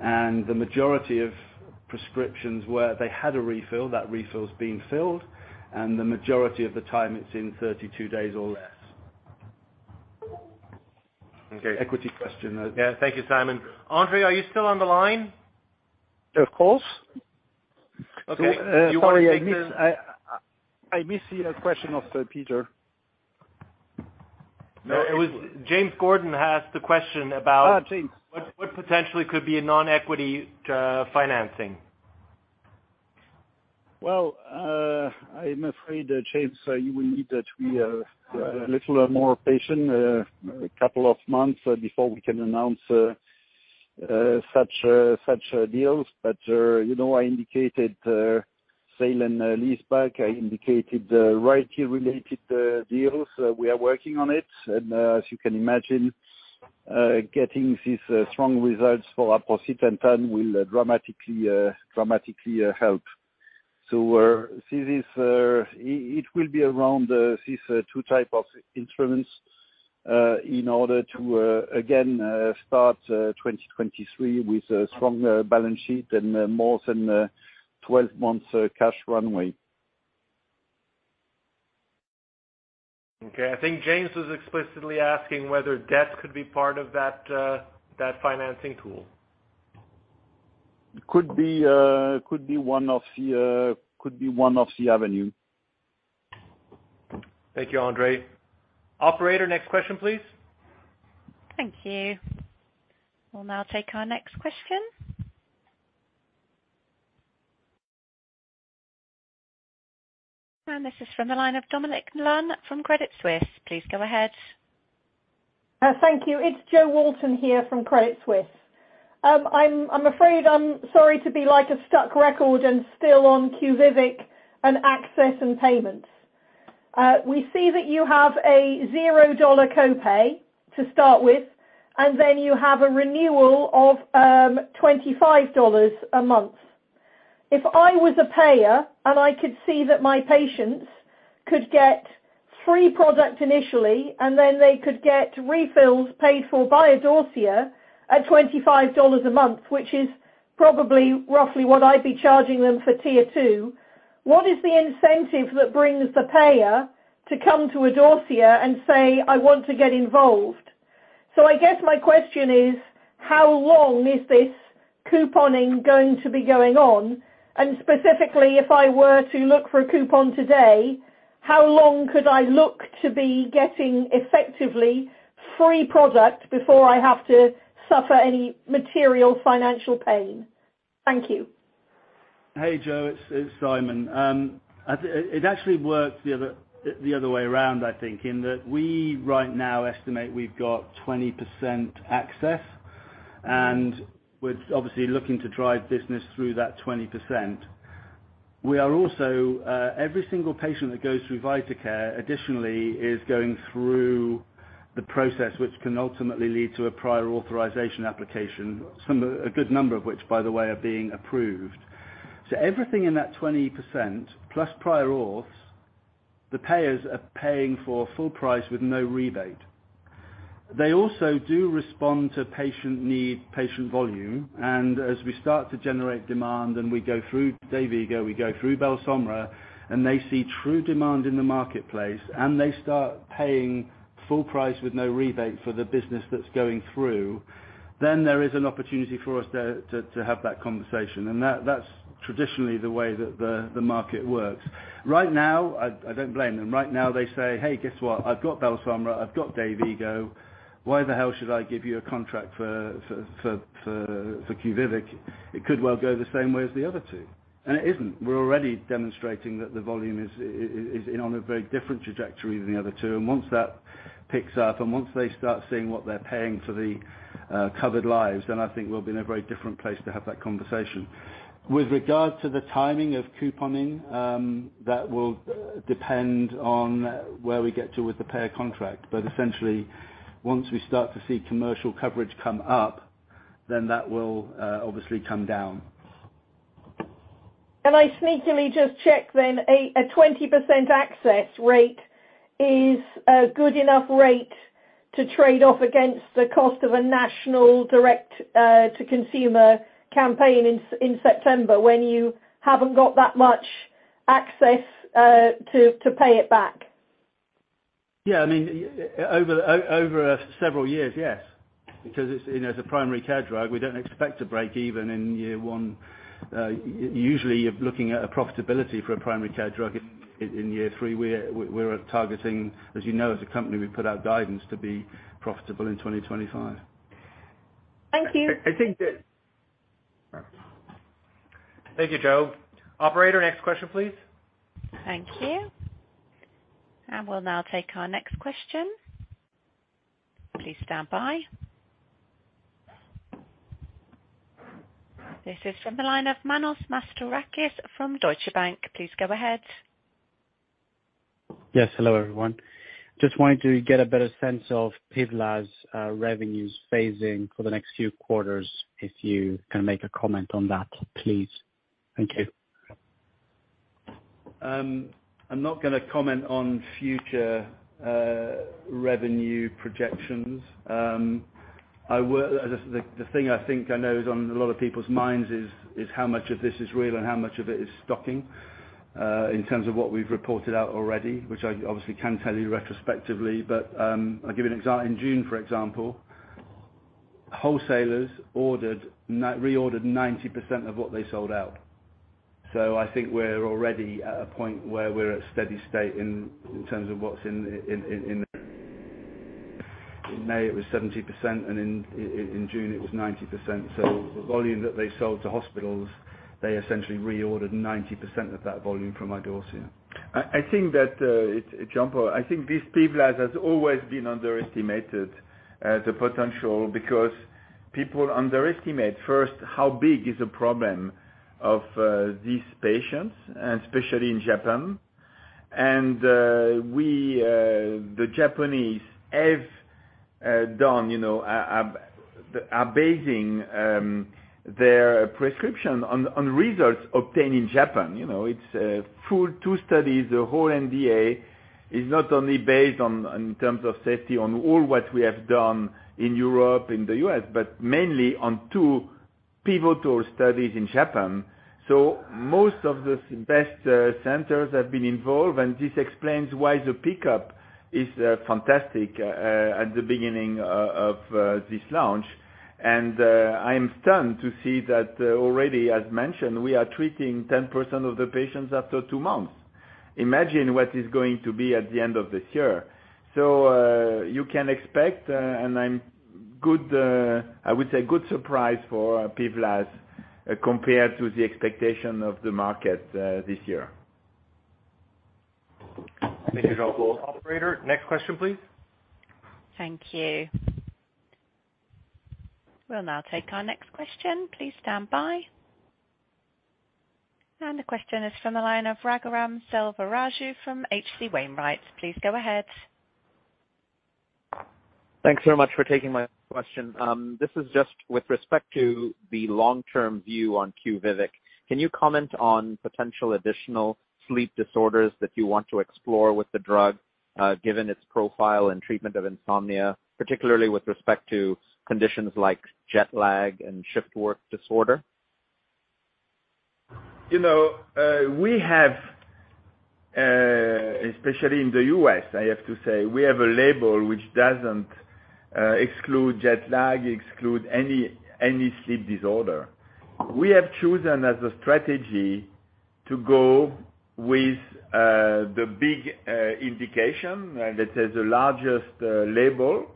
and the majority of prescriptions where they had a refill, that refill's been filled, and the majority of the time it's in 32 days or less. Okay. Equity question. Yeah. Thank you, Simon. André, are you still on the line? Of course. Okay. Do you want to take the? Sorry, I missed the question of Peter. No, it was James Gordon asked the question about. James. What potentially could be a non-equity financing? Well, I'm afraid, James, you will need that we are a little more patient, couple of months before we can announce such deals. You know, I indicated sale and leaseback, I indicated the royalty-related deals. We are working on it. As you can imagine, getting these strong results for aprocitentan will dramatically help. It will be around these two type of instruments, in order to again start 2023 with a strong balance sheet and more than 12 months cash runway. Okay. I think James was explicitly asking whether debt could be part of that financing tool. Could be one of the avenue. Thank you, André. Operator, next question, please. Thank you. We'll now take our next question. This is from the line of Dominic Lunn from Credit Suisse. Please go ahead. Thank you. It's Jo Walton here from Credit Suisse. I'm afraid I'm sorry to be like a stuck record and still on QUVIVIQ and access and payments. We see that you have a $0 Copay to start with, and then you have a renewal of $25 a month. If I was a payer and I could see that my patients could get free product initially, and then they could get refills paid for by Idorsia at $25 a month, which is probably roughly what I'd be charging them for tier two, what is the incentive that brings the payer to come to Idorsia and say, "I want to get involved?" I guess my question is, how long is this couponing going to be going on? Specifically, if I were to look for a coupon today, how long could I look to be getting effectively free product before I have to suffer any material financial pain? Thank you. Hey, Jo, it's Simon. I think it actually works the other way around, I think, in that we right now estimate we've got 20% access, and we're obviously looking to drive business through that 20%. We are also every single patient that goes through VitaCare, additionally is going through the process which can ultimately lead to a prior authorization application. Some of a good number of which, by the way, are being approved. Everything in that 20%, plus prior auths, the payers are paying for full price with no rebate. They also do respond to patient need, patient volume. As we start to generate demand and we go through Dayvigo, we go through Belsomra, and they see true demand in the marketplace and they start paying full price with no rebate for the business that's going through, then there is an opportunity for us to have that conversation. That's traditionally the way that the market works. Right now, I don't blame them. Right now, they say, "Hey, guess what? I've got Belsomra, I've got Dayvigo. Why the hell should I give you a contract for QUVIVIQ? It could well go the same way as the other two." It isn't. We're already demonstrating that the volume is in on a very different trajectory than the other two. Once that picks up and once they start seeing what they're paying for the covered lives, then I think we'll be in a very different place to have that conversation. With regards to the timing of couponing, that will depend on where we get to with the payer contract. Essentially, once we start to see commercial coverage come up, then that will obviously come down. Can I sneakily just check then, 20% access rate is a good enough rate to trade off against the cost of a national direct to consumer campaign in September, when you haven't got that much access to pay it back? Yeah, I mean, over several years, yes. Because it's, you know, it's a primary care drug. We don't expect to break even in year one. Usually, you're looking at a profitability for a primary care drug in year three. We're targeting. As you know, as a company, we put out guidance to be profitable in 2025. Thank you. I think that. Thank you, Joe. Operator, next question, please. Thank you. We'll now take our next question. Please stand by. This is from the line of Manos Mastorakis from Deutsche Bank. Please go ahead. Yes, hello, everyone. Just wanted to get a better sense of PIVLAZ's revenues phasing for the next few quarters, if you can make a comment on that, please. Thank you. I'm not gonna comment on future revenue projections. The thing I think I know is on a lot of people's minds is how much of this is real and how much of it is stocking in terms of what we've reported out already, which I obviously can tell you retrospectively. I'll give you an example. In June, for example, wholesalers reordered 90% of what they sold out. I think we're already at a point where we're at steady state in terms of what's in. In May, it was 70%, and in June, it was 90%. The volume that they sold to hospitals, they essentially reordered 90% of that volume from Idorsia. I think that it's Jean-Paul. I think this PIVLAZ has always been underestimated as a potential because people underestimate first how big the problem of these patients is, especially in Japan. The Japanese have done you know are basing their prescription on results obtained in Japan. You know it's two full studies. The whole NDA is not only based on in terms of safety on all what we have done in Europe in the U.S. but mainly on two pivotal studies in Japan. Most of the best centers have been involved and this explains why the pickup is fantastic at the beginning of this launch. I am stunned to see that already as mentioned we are treating 10% of the patients after two months. Imagine what is going to be at the end of this year. You can expect, and I'm good, I would say good surprise for PIVLAZ, compared to the expectation of the market, this year. Thank you, Jean-Paul. Operator, next question, please. Thank you. We'll now take our next question. Please stand by. The question is from the line of Raghuram Selvaraju from H.C. Wainwright. Please go ahead. Thanks very much for taking my question. This is just with respect to the long-term view on QUVIVIQ. Can you comment on potential additional sleep disorders that you want to explore with the drug, given its profile and treatment of insomnia, particularly with respect to conditions like jet lag and shift work disorder? You know, we have, especially in the U.S., I have to say, we have a label which doesn't exclude jet lag, any sleep disorder. We have chosen as a strategy to go with the big indication that has the largest label.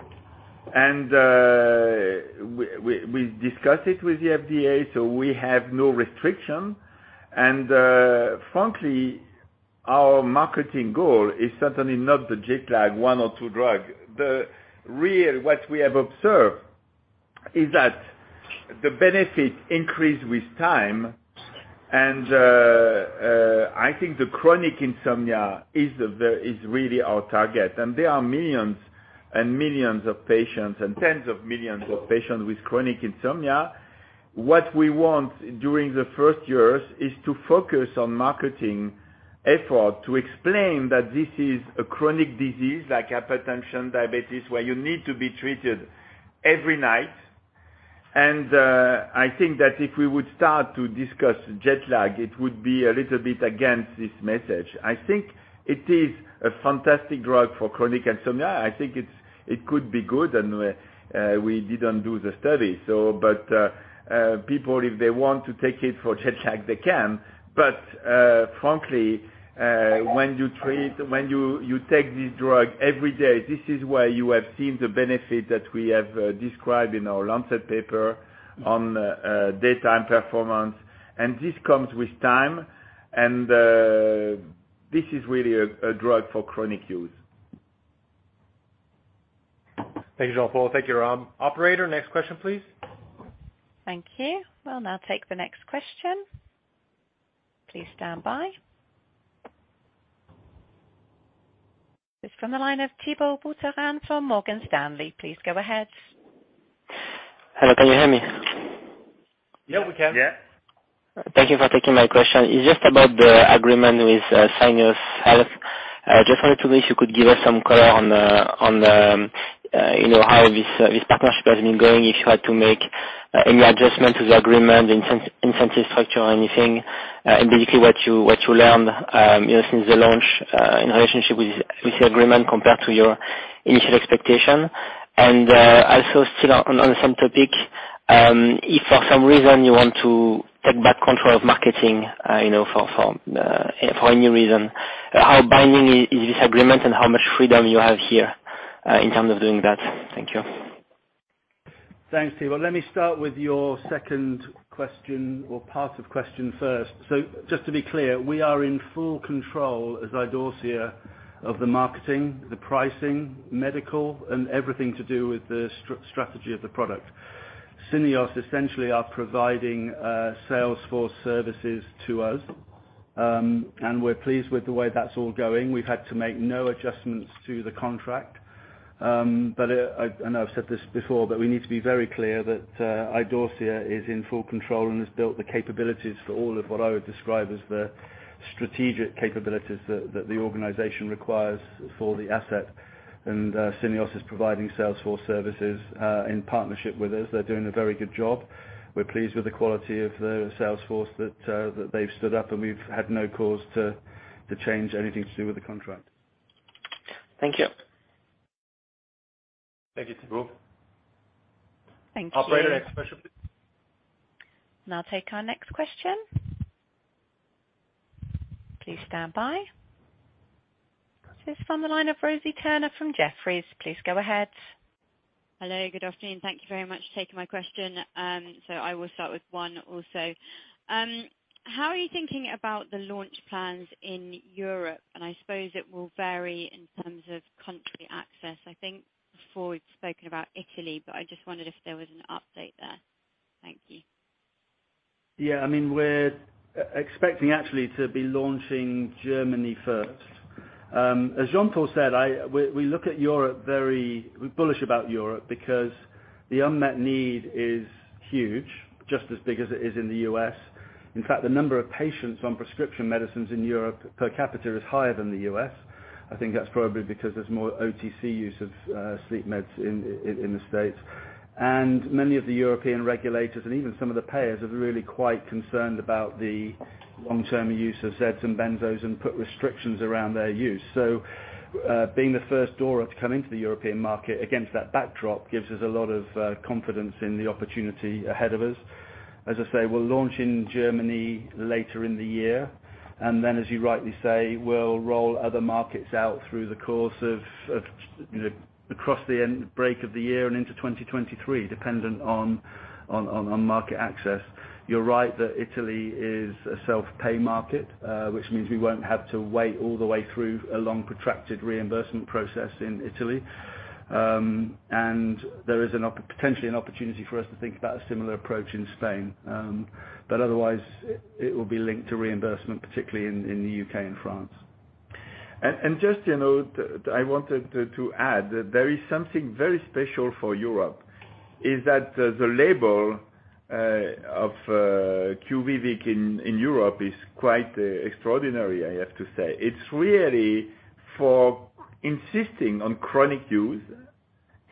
We discussed it with the FDA, so we have no restriction. Frankly, our marketing goal is certainly not the jet lag one or two drug. The real, what we have observed is that the benefit increase with time. I think the chronic insomnia is really our target. There are millions and millions of patients and tens of millions of patients with chronic insomnia. What we want during the first years is to focus on marketing effort to explain that this is a chronic disease like hypertension, diabetes, where you need to be treated every night. I think that if we would start to discuss jet lag, it would be a little bit against this message. I think it is a fantastic drug for chronic insomnia. I think it's, it could be good and we didn't do the study. People, if they want to take it for jet lag, they can. Frankly, when you take this drug every day, this is where you have seen the benefit that we have described in our Lancet paper on daytime performance, and this comes with time. This is really a drug for chronic use. Thank you, Jean-Paul. Thank you, Ram. Operator, next question, please. Thank you. We'll now take the next question. Please stand by. It's from the line of Thibault Boutherin from Morgan Stanley. Please go ahead. Hello, can you hear me? Yeah, we can. Yeah. Thank you for taking my question. It's just about the agreement with Syneos Health. Just wanted to know if you could give us some color on the you know how this partnership has been going. If you had to make any adjustment to the agreement, incentive structure or anything. Basically what you learned you know since the launch in relationship with the agreement compared to your initial expectation. Also still on the same topic if for some reason you want to take back control of marketing you know for any reason how binding is this agreement and how much freedom you have here in terms of doing that? Thank you. Thanks, Thibault. Let me start with your second question or part of question first. Just to be clear, we are in full control as Idorsia of the marketing, the pricing, medical and everything to do with the strategy of the product. Syneos essentially are providing sales force services to us. We're pleased with the way that's all going. We've had to make no adjustments to the contract. I know I've said this before, but we need to be very clear that Idorsia is in full control and has built the capabilities for all of what I would describe as the strategic capabilities that the organization requires for the asset. Syneos is providing sales force services in partnership with us. They're doing a very good job. We're pleased with the quality of the sales force that they've stood up and we've had no cause to change anything to do with the contract. Thank you. Thank you, Thibault. Thank you. Operator, next question please. I'll now take our next question. Please stand by. This is from the line of Rosie Turner from Jefferies. Please go ahead. Hello. Good afternoon. Thank you very much for taking my question. I will start with one also. How are you thinking about the launch plans in Europe? I suppose it will vary in terms of country access. I think before you've spoken about Italy, but I just wondered if there was an update there. Thank you. I mean, we're expecting actually to be launching Germany first. As Jean-Paul said, we look at Europe. We're bullish about Europe because the unmet need is huge, just as big as it is in the U.S. In fact, the number of patients on prescription medicines in Europe per capita is higher than the U.S. I think that's probably because there's more OTC use of sleep meds in the States. Many of the European regulators and even some of the payers are really quite concerned about the long-term use of Zs and benzos and put restrictions around their use. Being the first DORA to come into the European market against that backdrop gives us a lot of confidence in the opportunity ahead of us. As I say, we'll launch in Germany later in the year, and then, as you rightly say, we'll roll other markets out through the course of, you know, across the end or beginning of the year and into 2023, dependent on market access. You're right that Italy is a self-pay market, which means we won't have to wait all the way through a long, protracted reimbursement process in Italy. There is potentially an opportunity for us to think about a similar approach in Spain. Otherwise it will be linked to reimbursement, particularly in the UK and France. Just, you know, I wanted to add that there is something very special for Europe, that the label of QUVIVIQ in Europe is quite extraordinary, I have to say. It's really for insomnia on chronic use.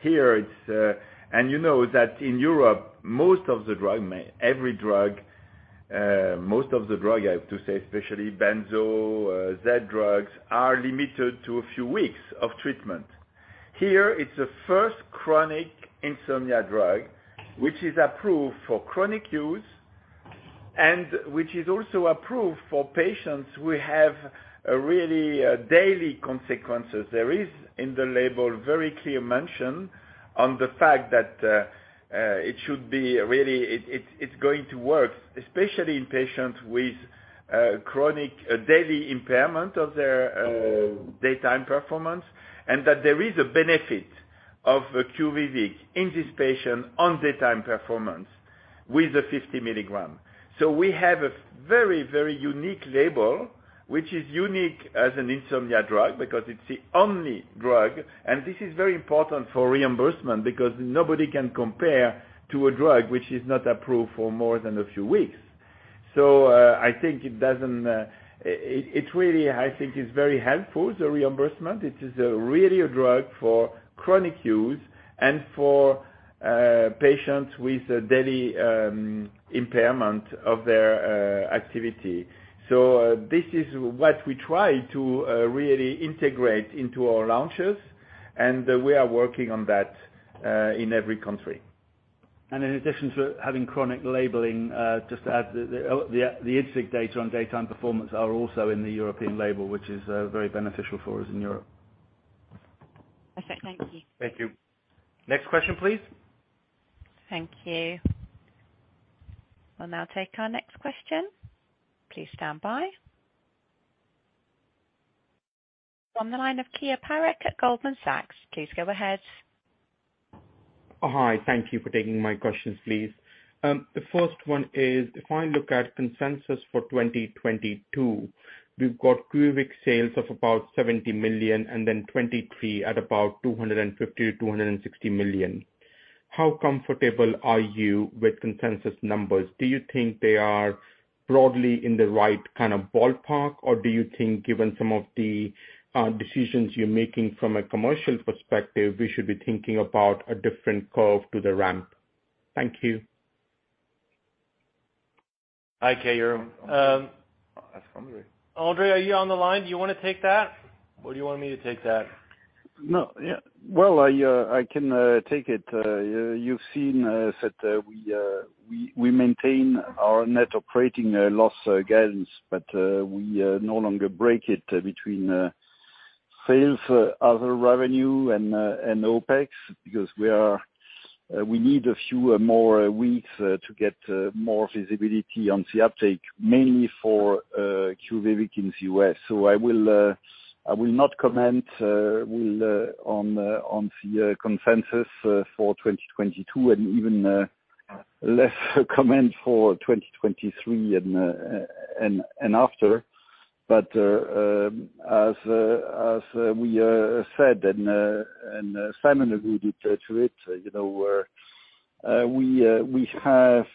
You know that in Europe, every drug, most of the drugs, I have to say, especially benzos, Z-drugs, are limited to a few weeks of treatment. Here, it's the first chronic insomnia drug which is approved for chronic use and which is also approved for patients who have really daytime consequences. There is, in the label, very clear mention on the fact that it should be really. It's going to work, especially in patients with chronic daily impairment of their daytime performance, and that there is a benefit of QUVIVIQ in this patient on daytime performance with the 50 mg. We have a very, very unique label, which is unique as an insomnia drug because it's the only drug. This is very important for reimbursement because nobody can compare to a drug which is not approved for more than a few weeks. It really, I think, is very helpful, the reimbursement. It is really a drug for chronic use and for patients with a daily impairment of their activity. This is what we try to really integrate into our launches, and we are working on that in every country. In addition to having chronic labeling, just to add the IDSIQ data on daytime performance are also in the European label, which is very beneficial for us in Europe. Perfect. Thank you. Thank you. Next question, please. Thank you. We'll now take our next question. Please stand by. On the line of Keyur Parekh at Goldman Sachs. Please go ahead. Hi. Thank you for taking my questions, please. The first one is, if I look at consensus for 2022, we've got QUVIVIQ sales of about 70 million and then 2023 at about 250 million-260 million. How comfortable are you with consensus numbers? Do you think they are broadly in the right kind of ballpark, or do you think given some of the decisions you're making from a commercial perspective, we should be thinking about a different curve to the ramp? Thank you. Hi, Keyur. Ask André. André, are you on the line? Do you wanna take that, or do you want me to take that? No. Yeah. Well, I can take it. You've seen that we maintain our net operating loss guidance, but we no longer break it between sales, other revenue, and OpEx because we need a few more weeks to get more visibility on the uptake, mainly for QUVIVIQ in the US. I will not comment on the consensus for 2022 and even less comment for 2023 and after. As we said and Simon agreed to it, you know, we have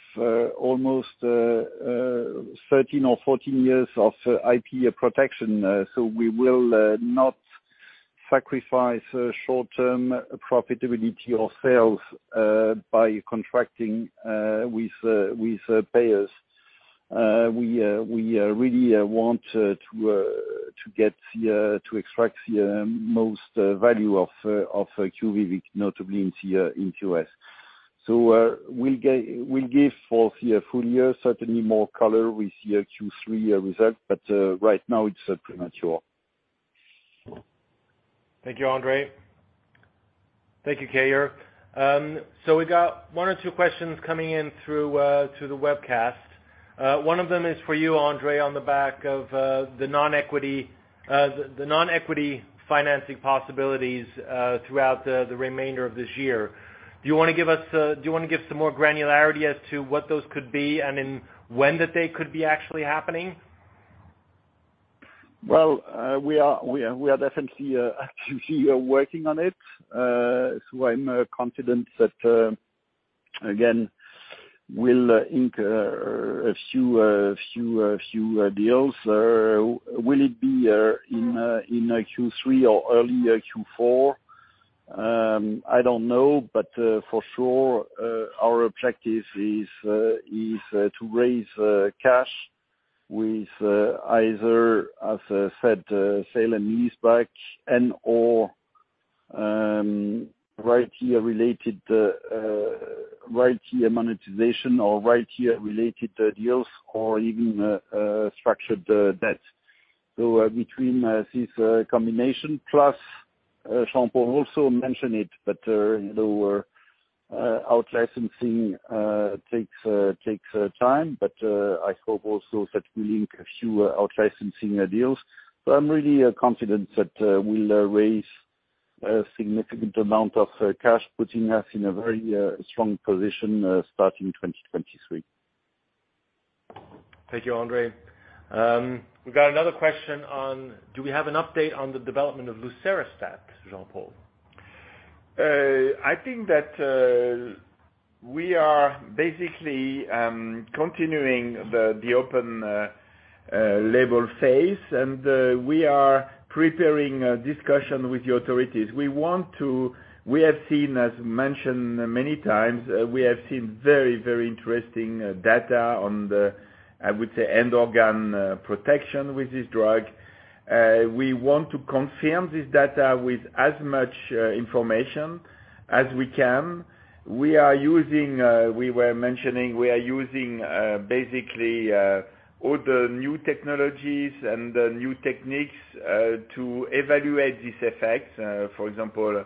almost 13 or 14 years of IP protection. We will not sacrifice short-term profitability or sales by contracting with payers. We really want to extract the most value of QUVIVIQ, notably in the U.S. We'll give Q4 full year certainly more color with your Q3 results. Right now it's premature. Thank you, André. Thank you, Keyur. So we got one or two questions coming in through the webcast. One of them is for you, André, on the back of the non-equity financing possibilities throughout the remainder of this year. Do you wanna give us some more granularity as to what those could be and then when they could be actually happening? Well, we are definitely actively working on it. I'm confident that, again, we'll ink a few deals. Will it be in Q3 or early Q4? I don't know. For sure, our objective is to raise cash with either, as said, sale and lease back and/or R&D related monetization or R&D related deals or even structured debt. Between this combination plus, Jean-Paul also mentioned it, but you know, out-licensing takes time. I hope also that we ink a few out-licensing deals. I'm really confident that we'll raise a significant amount of cash, putting us in a very strong position starting in 2023. Thank you, André. We've got another question on do we have an update on the development of lucerastat, Jean-Paul? I think that we are basically continuing the open label phase, and we are preparing a discussion with the authorities. We have seen, as mentioned many times, very interesting data on the, I would say, end organ protection with this drug. We want to confirm this data with as much information as we can. We are using basically all the new technologies and the new techniques to evaluate this effect. For example,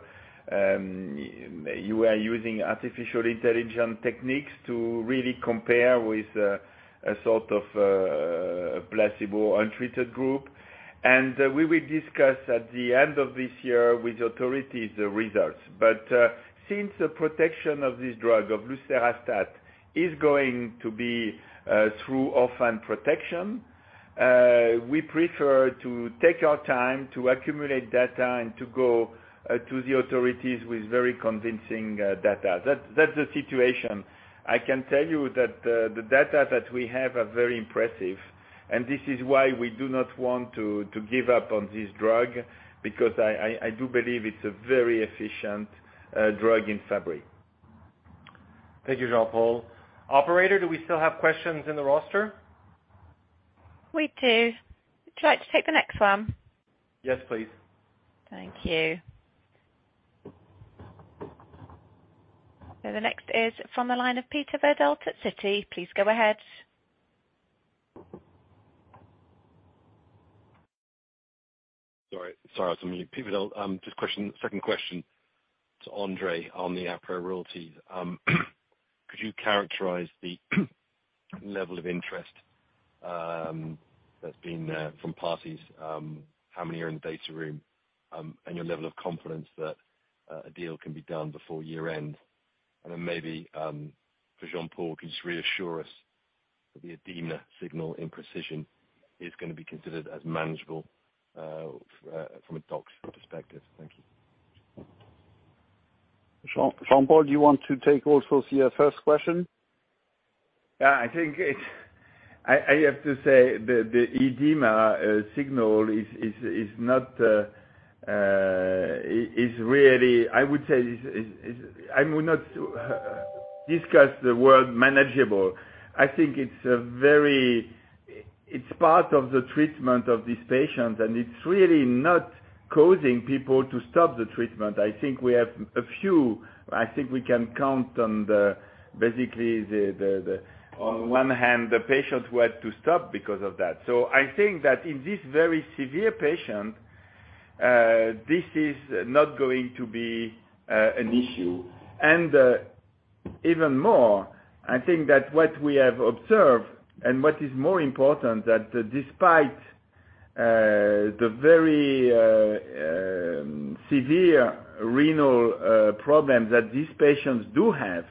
you are using artificial intelligence techniques to really compare with a sort of placebo untreated group. We will discuss at the end of this year with authorities the results. Since the protection of this drug, of lucerastat, is going to be through orphan protection, we prefer to take our time to accumulate data and to go to the authorities with very convincing data. That's the situation. I can tell you that the data that we have are very impressive, and this is why we do not want to give up on this drug because I do believe it's a very efficient drug in Fabry. Thank you, Jean-Paul. Operator, do we still have questions in the roster? We do. Would you like to take the next one? Yes, please. Thank you. The next is from the line of Peter Verdult at Citi. Please go ahead. Sorry, I was on mute. Peter Verdult. Just a question, second question to André on the aprocitentan royalties. Could you characterize the level of interest that's been from parties, how many are in data room, and your level of confidence that a deal can be done before year-end? Maybe, for Jean-Paul, can you just reassure us. The edema signal impression is going be considered as manageable, from a tox perspective. Thank you. Jean-Paul, do you want to take also see his first question? Yeah, I think it's. I have to say the edema signal is not. I would not discuss the word manageable. I think it's part of the treatment of these patients, and it's really not causing people to stop the treatment. I think we have a few. I think we can count basically on one hand the patients who had to stop because of that. I think that in this very severe patient, this is not going to be an issue. Even more, I think that what we have observed and what is more important, that despite the very severe renal problem that these patients do have,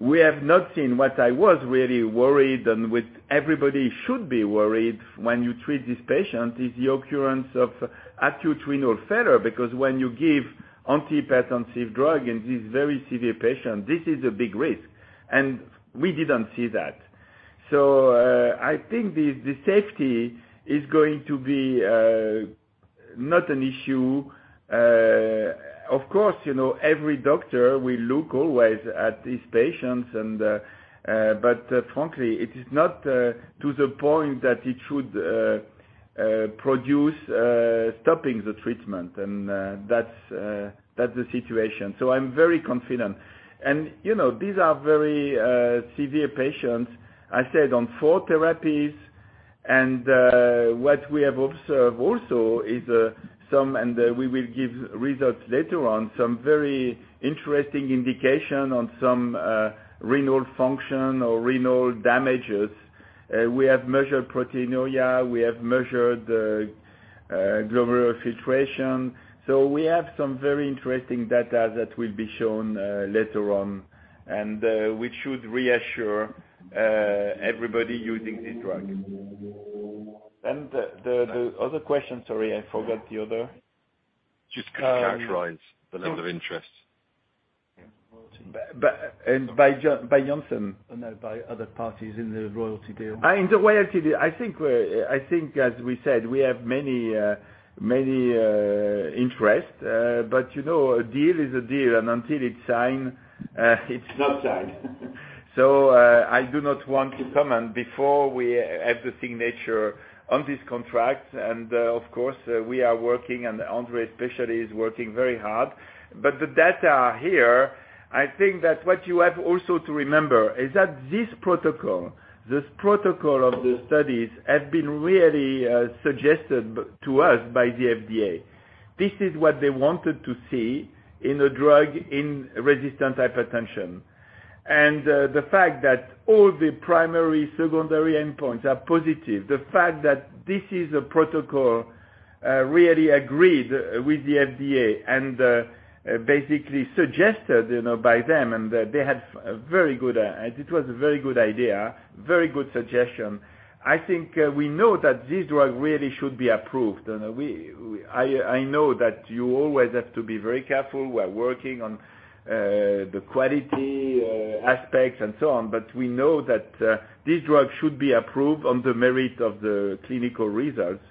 we have not seen what I was really worried, and with everybody should be worried when you treat these patients, is the occurrence of acute renal failure. Because when you give antihypertensive drug in this very severe patient, this is a big risk, and we didn't see that. I think the safety is going to be not an issue. Of course, you know, every doctor will look always at these patients. But frankly, it is not to the point that it should produce stopping the treatment. That's the situation. I'm very confident. You know, these are very severe patients on four therapies. What we have observed also is some very interesting indication on some renal function or renal damages. We have measured proteinuria. We have measured glomerular filtration. We have some very interesting data that will be shown later on, and which should reassure everybody using this drug. The other question, sorry, I forgot the other. Just characterize the level of interest. By Johnson? No, by other parties in the royalty deal. In the royalty deal. I think, as we said, we have many interests. You know, a deal is a deal, and until it's signed, it's not signed. I do not want to comment before we have the signature on this contract. Of course, we are working and André especially is working very hard. The data here, I think that what you have also to remember is that this protocol of the studies have been really suggested to us by the FDA. This is what they wanted to see in a drug in resistant hypertension. The fact that all the primary secondary endpoints are positive, the fact that this is a protocol really agreed with the FDA and basically suggested, you know, by them, and they had very good. It was a very good idea, very good suggestion. I think we know that this drug really should be approved. I know that you always have to be very careful. We're working on the quality aspects and so on. We know that this drug should be approved on the merit of the clinical results.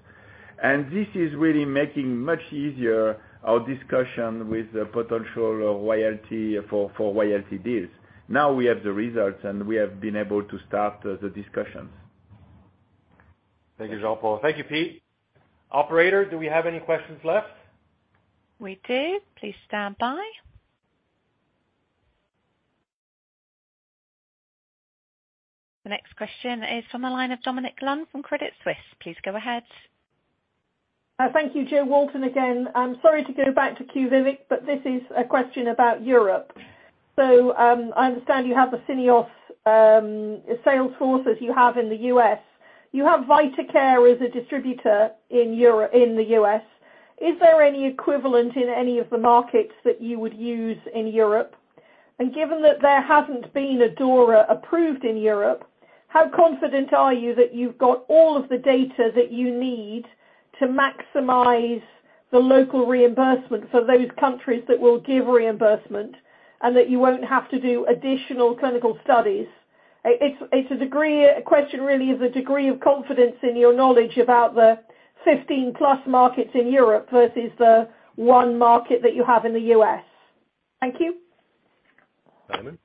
This is really making much easier our discussion with the potential royalty for royalty deals. Now we have the results, and we have been able to start the discussions. Thank you, Jean-Paul. Thank you, Pete. Operator, do we have any questions left? We do. Please stand by. The next question is from the line of Dominic Lunn from Credit Suisse. Please go ahead. Thank you. Jo Walton again. I'm sorry to go back to QUVIVIQ, but this is a question about Europe. I understand you have the Syneos sales force as you have in the U.S. You have VitaCare as a distributor in the U.S. Is there any equivalent in any of the markets that you would use in Europe? Given that there hasn't been a DORA approved in Europe, how confident are you that you've got all of the data that you need to maximize the local reimbursement for those countries that will give reimbursement and that you won't have to do additional clinical studies? Question really is a degree of confidence in your knowledge about the 15+ markets in Europe versus the one market that you have in the U.S. Thank you. Simon?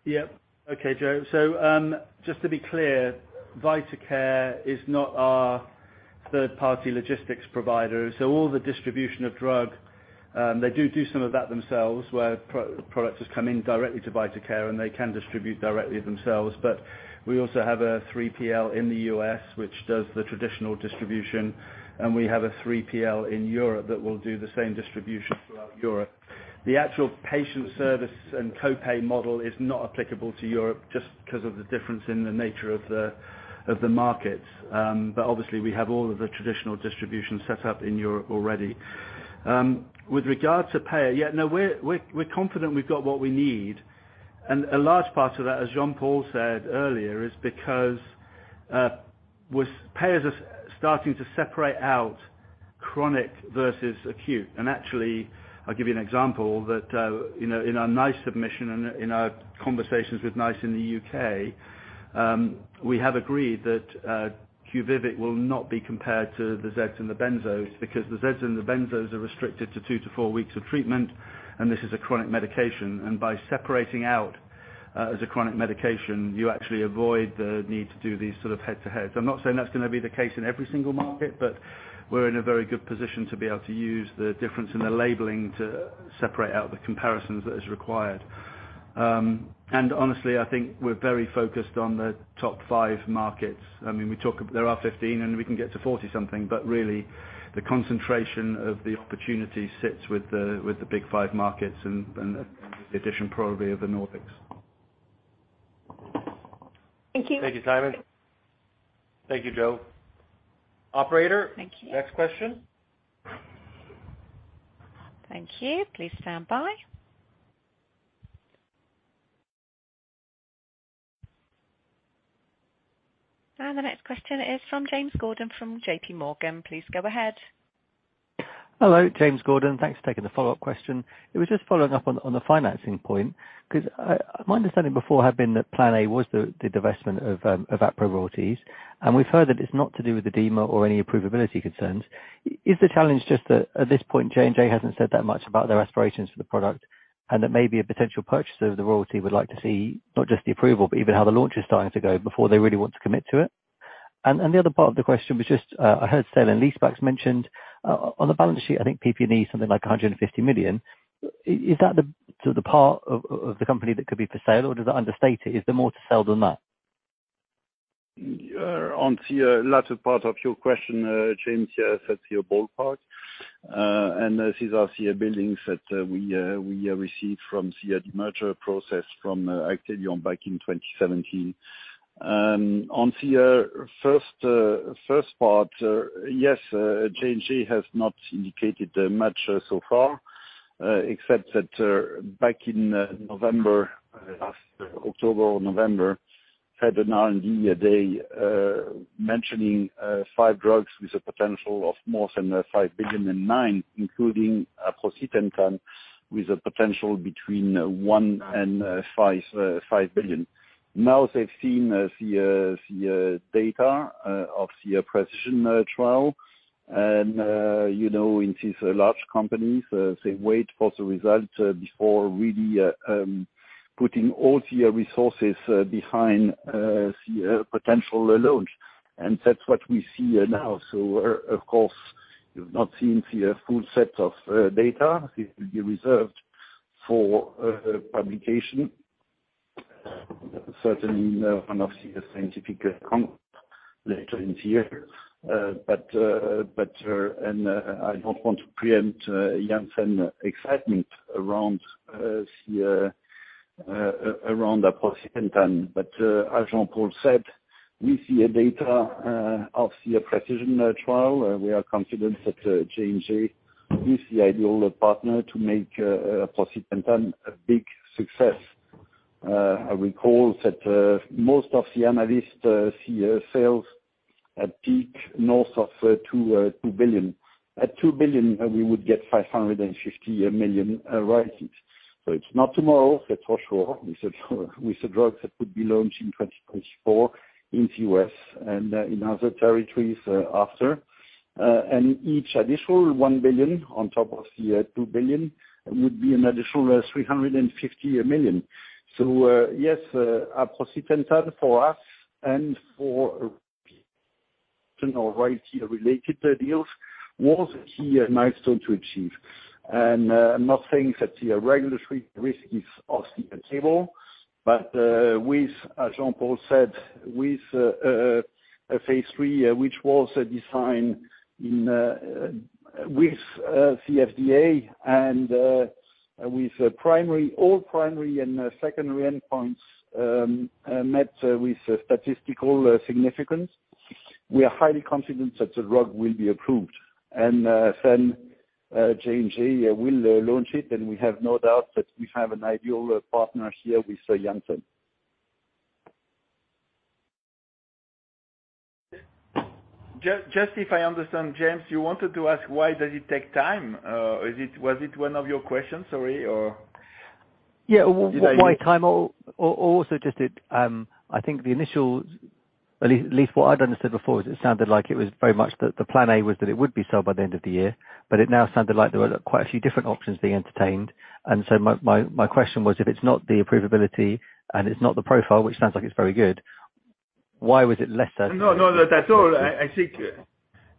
Okay, Jo. Just to be clear, VitaCare is not our third-party logistics provider. All the distribution of drug, they do some of that themselves, where our products just come in directly to VitaCare, and they can distribute directly themselves. We also have a 3PL in the U.S., which does the traditional distribution, and we have a 3PL in Europe that will do the same distribution throughout Europe. The actual patient service and co-pay model is not applicable to Europe just 'cause of the difference in the nature of the markets. Obviously we have all of the traditional distribution set up in Europe already. With regard to payer, yeah, no, we're confident we've got what we need. A large part of that, as Jean-Paul said earlier, is because payers are starting to separate out chronic versus acute. Actually, I'll give you an example that you know, in our NICE submission and in our conversations with NICE in the UK, we have agreed that QUVIVIQ will not be compared to the Zeds and the benzos because the Zeds and the benzos are restricted to two to four weeks of treatment, and this is a chronic medication. By separating out as a chronic medication, you actually avoid the need to do these sort of head-to-heads. I'm not saying that's gonna be the case in every single market, but we're in a very good position to be able to use the difference in the labeling to separate out the comparisons as required. Honestly, I think we're very focused on the top five markets. I mean, we talk. There are 15, and we can get to 40-something, but really the concentration of the opportunity sits with the big five markets and the addition probably of the Nordics. Thank you. Thank you, Simon. Thank you, Jo. Operator. Thank you. Next question. Thank you. Please stand by. The next question is from James Gordon, from JPMorgan. Please go ahead. Hello, James Gordon. Thanks for taking the follow-up question. It was just following up on the financing point. 'Cause my understanding before had been that plan A was the divestment of aprocitentan royalties. We've heard that it's not to do with the data or any approvability concerns. Is the challenge just that at this point, J&J hasn't said that much about their aspirations for the product, and that maybe a potential purchaser of the royalty would like to see not just the approval, but even how the launch is starting to go before they really want to commit to it? The other part of the question was just I heard sale and leasebacks mentioned. On the balance sheet, I think PPE is something like 150 million. Is that the part of the company that could be for sale or does that understate it? Is there more to sell than that? On the latter part of your question, James, yeah, that's your ballpark. This is our buildings that we received from the merger process from Actelion back in 2017. On the first part, yes, J&J has not indicated much so far, except that back in November, last October or November, had an R&D day mentioning five drugs with the potential of more than $5 billion and nine, including aprocitentan, with a potential between $1 billion-$5 billion. Now, they've seen the data of the PRECISION trial and you know, it is a large company, so they wait for the results before really putting all the resources behind the potential launch. That's what we see now. Of course, you've not seen the full set of data. It will be reserved for publication. Certainly, one of the scientific congress later in the year. I don't want to preempt Janssen's excitement around aprocitentan. As Jean-Paul said, with the data of the PRECISION trial, we are confident that J&J is the ideal partner to make aprocitentan a big success. I recall that most of the analysts see sales at peak north of 2 billion. At 2 billion, we would get 550 million royalties. It's not tomorrow, that's for sure, with a drug that could be launched in 2024 in the U.S. and in other territories after. Each additional 1 billion on top of the 2 billion would be an additional 350 million. Aprocitentan for us and for return of royalty related deals was a key milestone to achieve. I'm not saying that the regulatory risk is off the table, but with, as Jean-Paul said, with a phase III, which was designed with the FDA and with all primary and secondary endpoints met with statistical significance, we are highly confident that the drug will be approved. J&J will launch it, and we have no doubt that we have an ideal partner here with Johnson. Just if I understand, James, you wanted to ask why does it take time? Was it one of your questions? Sorry. Yeah. Did I hear? I think the initial, at least what I'd understood before, is that it sounded like it was very much the plan A was that it would be sold by the end of the year, but it now sounded like there were quite a few different options being entertained. My question was, if it's not the approvability and it's not the profile, which sounds like it's very good, why was it less than- No, no, not at all. I think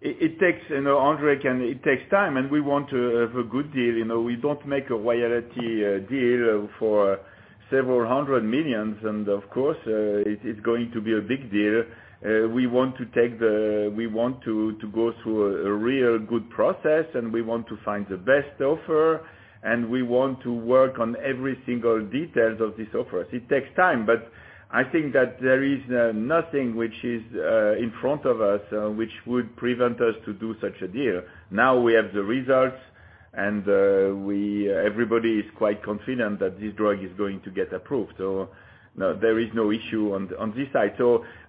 it takes, you know, time, and we want to have a good deal. You know, we don't make a royalty deal for several hundred millions. Of course, it is going to be a big deal. We want to go through a real good process, and we want to find the best offer, and we want to work on every single details of this offer. It takes time, but I think that there is nothing which is in front of us which would prevent us to do such a deal. Now we have the results. Everybody is quite confident that this drug is going to get approved. No, there is no issue on this side.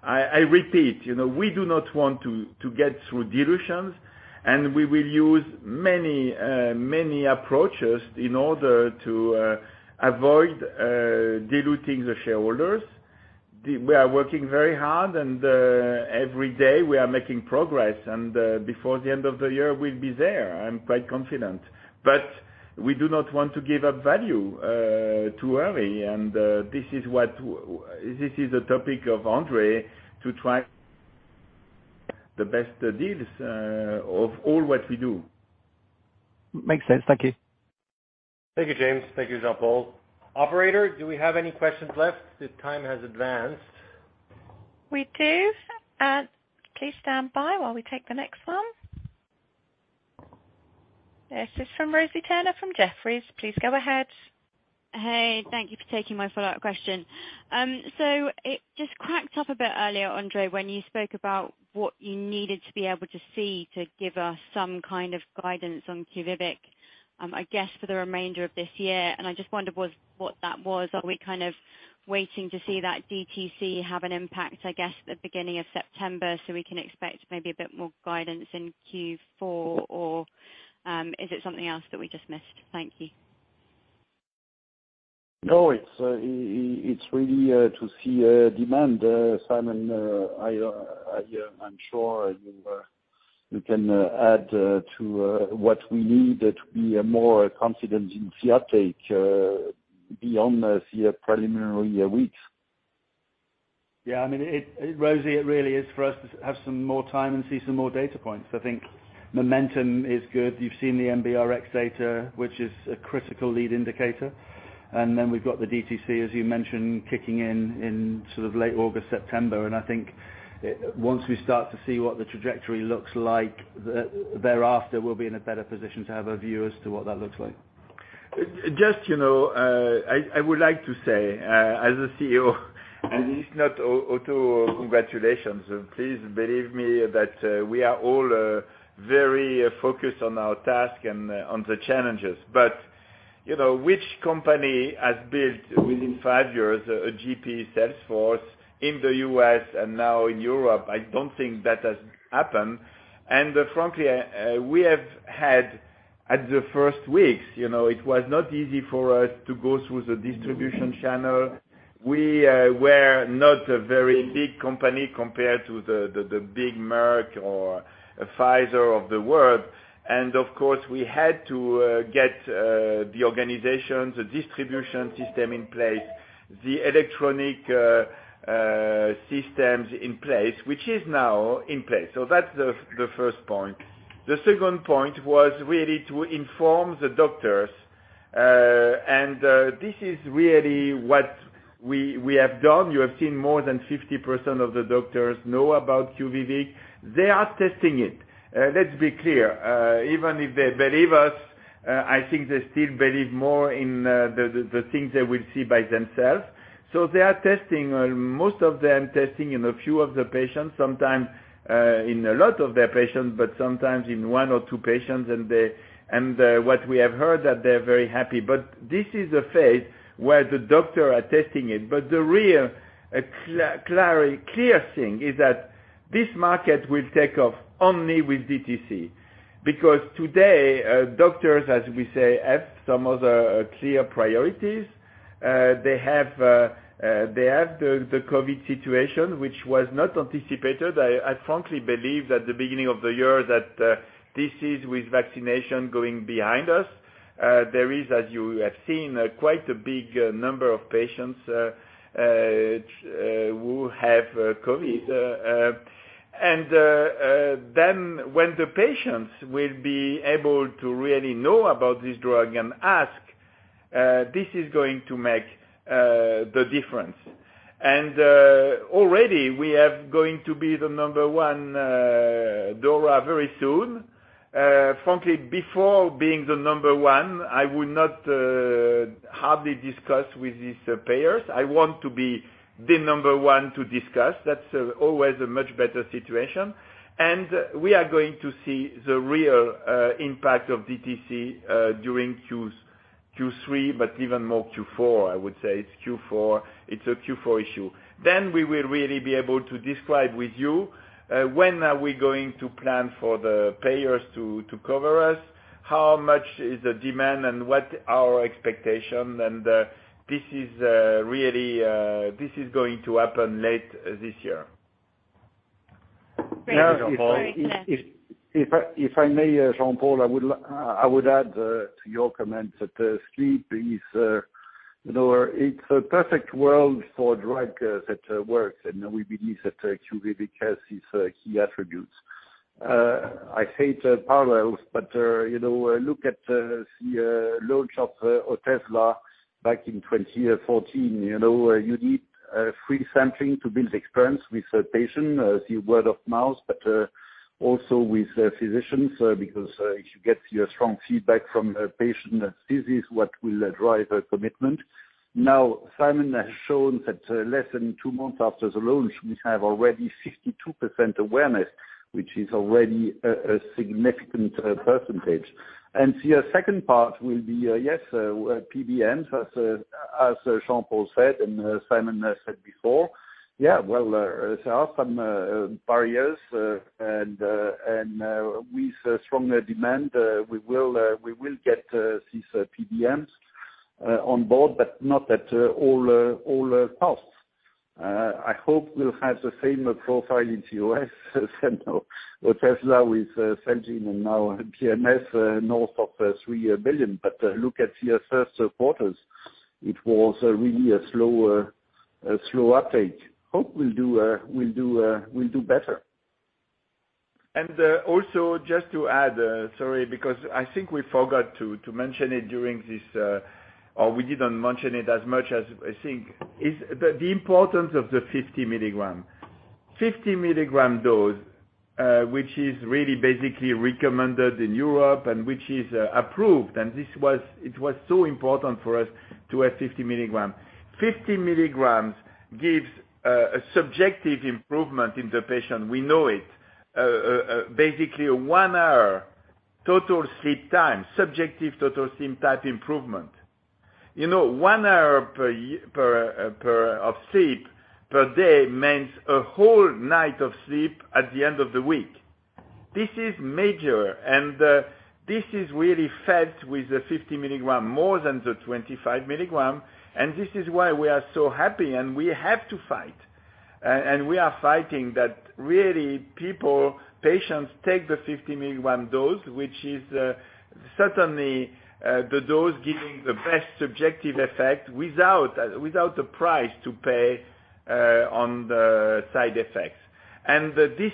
I repeat, you know, we do not want to get through dilutions, and we will use many approaches in order to avoid diluting the shareholders. We are working very hard and every day we are making progress, and before the end of the year we'll be there, I'm quite confident. We do not want to give up value too early, and this is a topic of André, to try the best deals of all what we do. Makes sense. Thank you. Thank you, James. Thank you, Jean-Paul. Operator, do we have any questions left? The time has advanced. We do, and please stand by while we take the next one. Yes, it's from Rosie Turner from Jefferies. Please go ahead. Hey, thank you for taking my follow-up question. So it just cropped up a bit earlier, André, when you spoke about what you needed to be able to see to give us some kind of guidance on QUVIVIQ, I guess for the remainder of this year. I just wondered what that was. Are we kind of waiting to see that DTC have an impact, I guess, at the beginning of September, so we can expect maybe a bit more guidance in Q4? Or is it something else that we just missed? Thank you. No, it's really to see demand. Simon, I'm sure you can add to what we need to be more confident in the uptake beyond these preliminary weeks. Yeah. I mean, Rosie, it really is for us to have some more time and see some more data points. I think momentum is good. You've seen the NBRx data, which is a critical lead indicator. Then we've got the DTC, as you mentioned, kicking in in sort of late August, September. I think once we start to see what the trajectory looks like thereafter, we'll be in a better position to have a view as to what that looks like. Just, you know, I would like to say, as a CEO, and it's not self-congratulations, please believe me that we are all very focused on our task and on the challenges. You know, which company has built within five years a GP sales force in the U.S. and now in Europe? I don't think that has happened. Frankly, we have had at the first weeks, you know, it was not easy for us to go through the distribution channel. We were not a very big company compared to the big Merck or Pfizer of the world. Of course, we had to get the organization, the distribution system in place, the electronic systems in place, which is now in place. That's the first point. The second point was really to inform the doctors. This is really what we have done. You have seen more than 50% of the doctors know about QUVIVIQ. They are testing it. Let's be clear. Even if they believe us, I think they still believe more in the things they will see by themselves. They are testing, most of them testing in a few of the patients, sometimes in a lot of their patients, but sometimes in one or two patients. What we have heard that they're very happy. This is a phase where the doctors are testing it. The real clear thing is that this market will take off only with DTC. Because today, doctors, as we say, have some other clear priorities. They have the COVID situation, which was not anticipated. I frankly believe that the beginning of the year with vaccination going behind us. There is, as you have seen, quite a big number of patients who have COVID. Then when the patients will be able to really know about this drug and ask, this is going to make the difference. Already we are going to be the number one DORA very soon. Frankly, before being the number one, I would not hardly discuss with these payers. I want to be the number one to discuss. That's always a much better situation. We are going to see the real impact of DTC during Q3, but even more Q4. I would say it's Q4, it's a Q4 issue. We will really be able to describe with you when are we going to plan for the payers to cover us, how much is the demand and what our expectation. This is really going to happen late this year. Thank you, Jean-Paul. If I may, Jean-Paul, I would add to your comments that sleep is, you know, it's a perfect world for a drug that works. We believe that QUVIVIQ has these key attributes. I hate parallels, but you know, look at the launch of Otezla back in 2014. You know, you need free sampling to build experience with the patient, the word of mouth, but also with the physicians, because if you get your strong feedback from a patient, this is what will drive a commitment. Now, Simon has shown that less than two months after the launch, we have already 62% awareness, which is already a significant percentage. To your second part will be yes PBMs as Jean-Paul said and Simon said before. Well, there are some barriers and with strong demand we will get these PBMs on board but not at all costs. I hope we'll have the same profile in the U.S. as Otezla with Celgene and now BMS north of $3 billion. Look at the first quarters, it was really a slow uptake. Hope we'll do better. Also just to add, sorry, because I think we forgot to mention it during this, or we didn't mention it as much as I think, is the importance of the 50 mg. 50 mg dose, which is really basically recommended in Europe and which is approved, and it was so important for us to have 50 mg. 50 mg gives a subjective improvement in the patient. We know it. Basically, a one-hour total sleep time, subjective total sleep time improvement. You know, 1 hour of sleep per day means a whole night of sleep at the end of the week. This is major, and this is really felt with the 50 mg more than the 25 mg. This is why we are so happy, and we have to fight, and we are fighting that really, people, patients take the 50 mg dose, which is, certainly, the dose giving the best subjective effect without the price to pay, on the side effects. This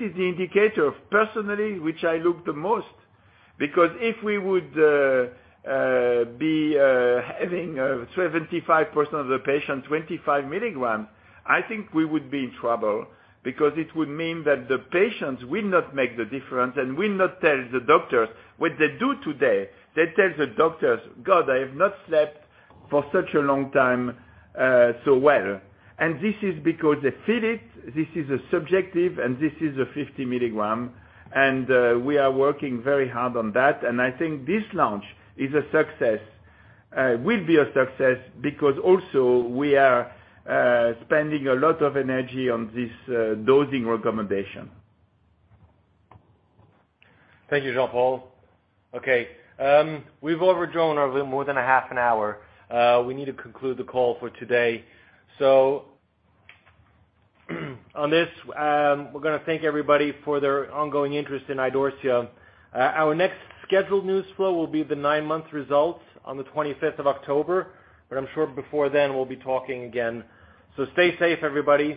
is the indicator personally which I look the most, because if we would, be, having, 75% of the patients 25 mg, I think we would be in trouble because it would mean that the patients will not make the difference and will not tell the doctors what they do today. They tell the doctors, "God, I have not slept for such a long time, so well." This is because they feel it, this is a subjective, and this is a 50 mg. We are working very hard on that, and I think this launch will be a success because also we are spending a lot of energy on this dosing recommendation. Thank you, Jean-Paul. Okay, we've overdrawn over more than a half an hour. We need to conclude the call for today. On this, we're gonna thank everybody for their ongoing interest in Idorsia. Our next scheduled news flow will be the nine-month results on the 25th of October, but I'm sure before then we'll be talking again. Stay safe, everybody.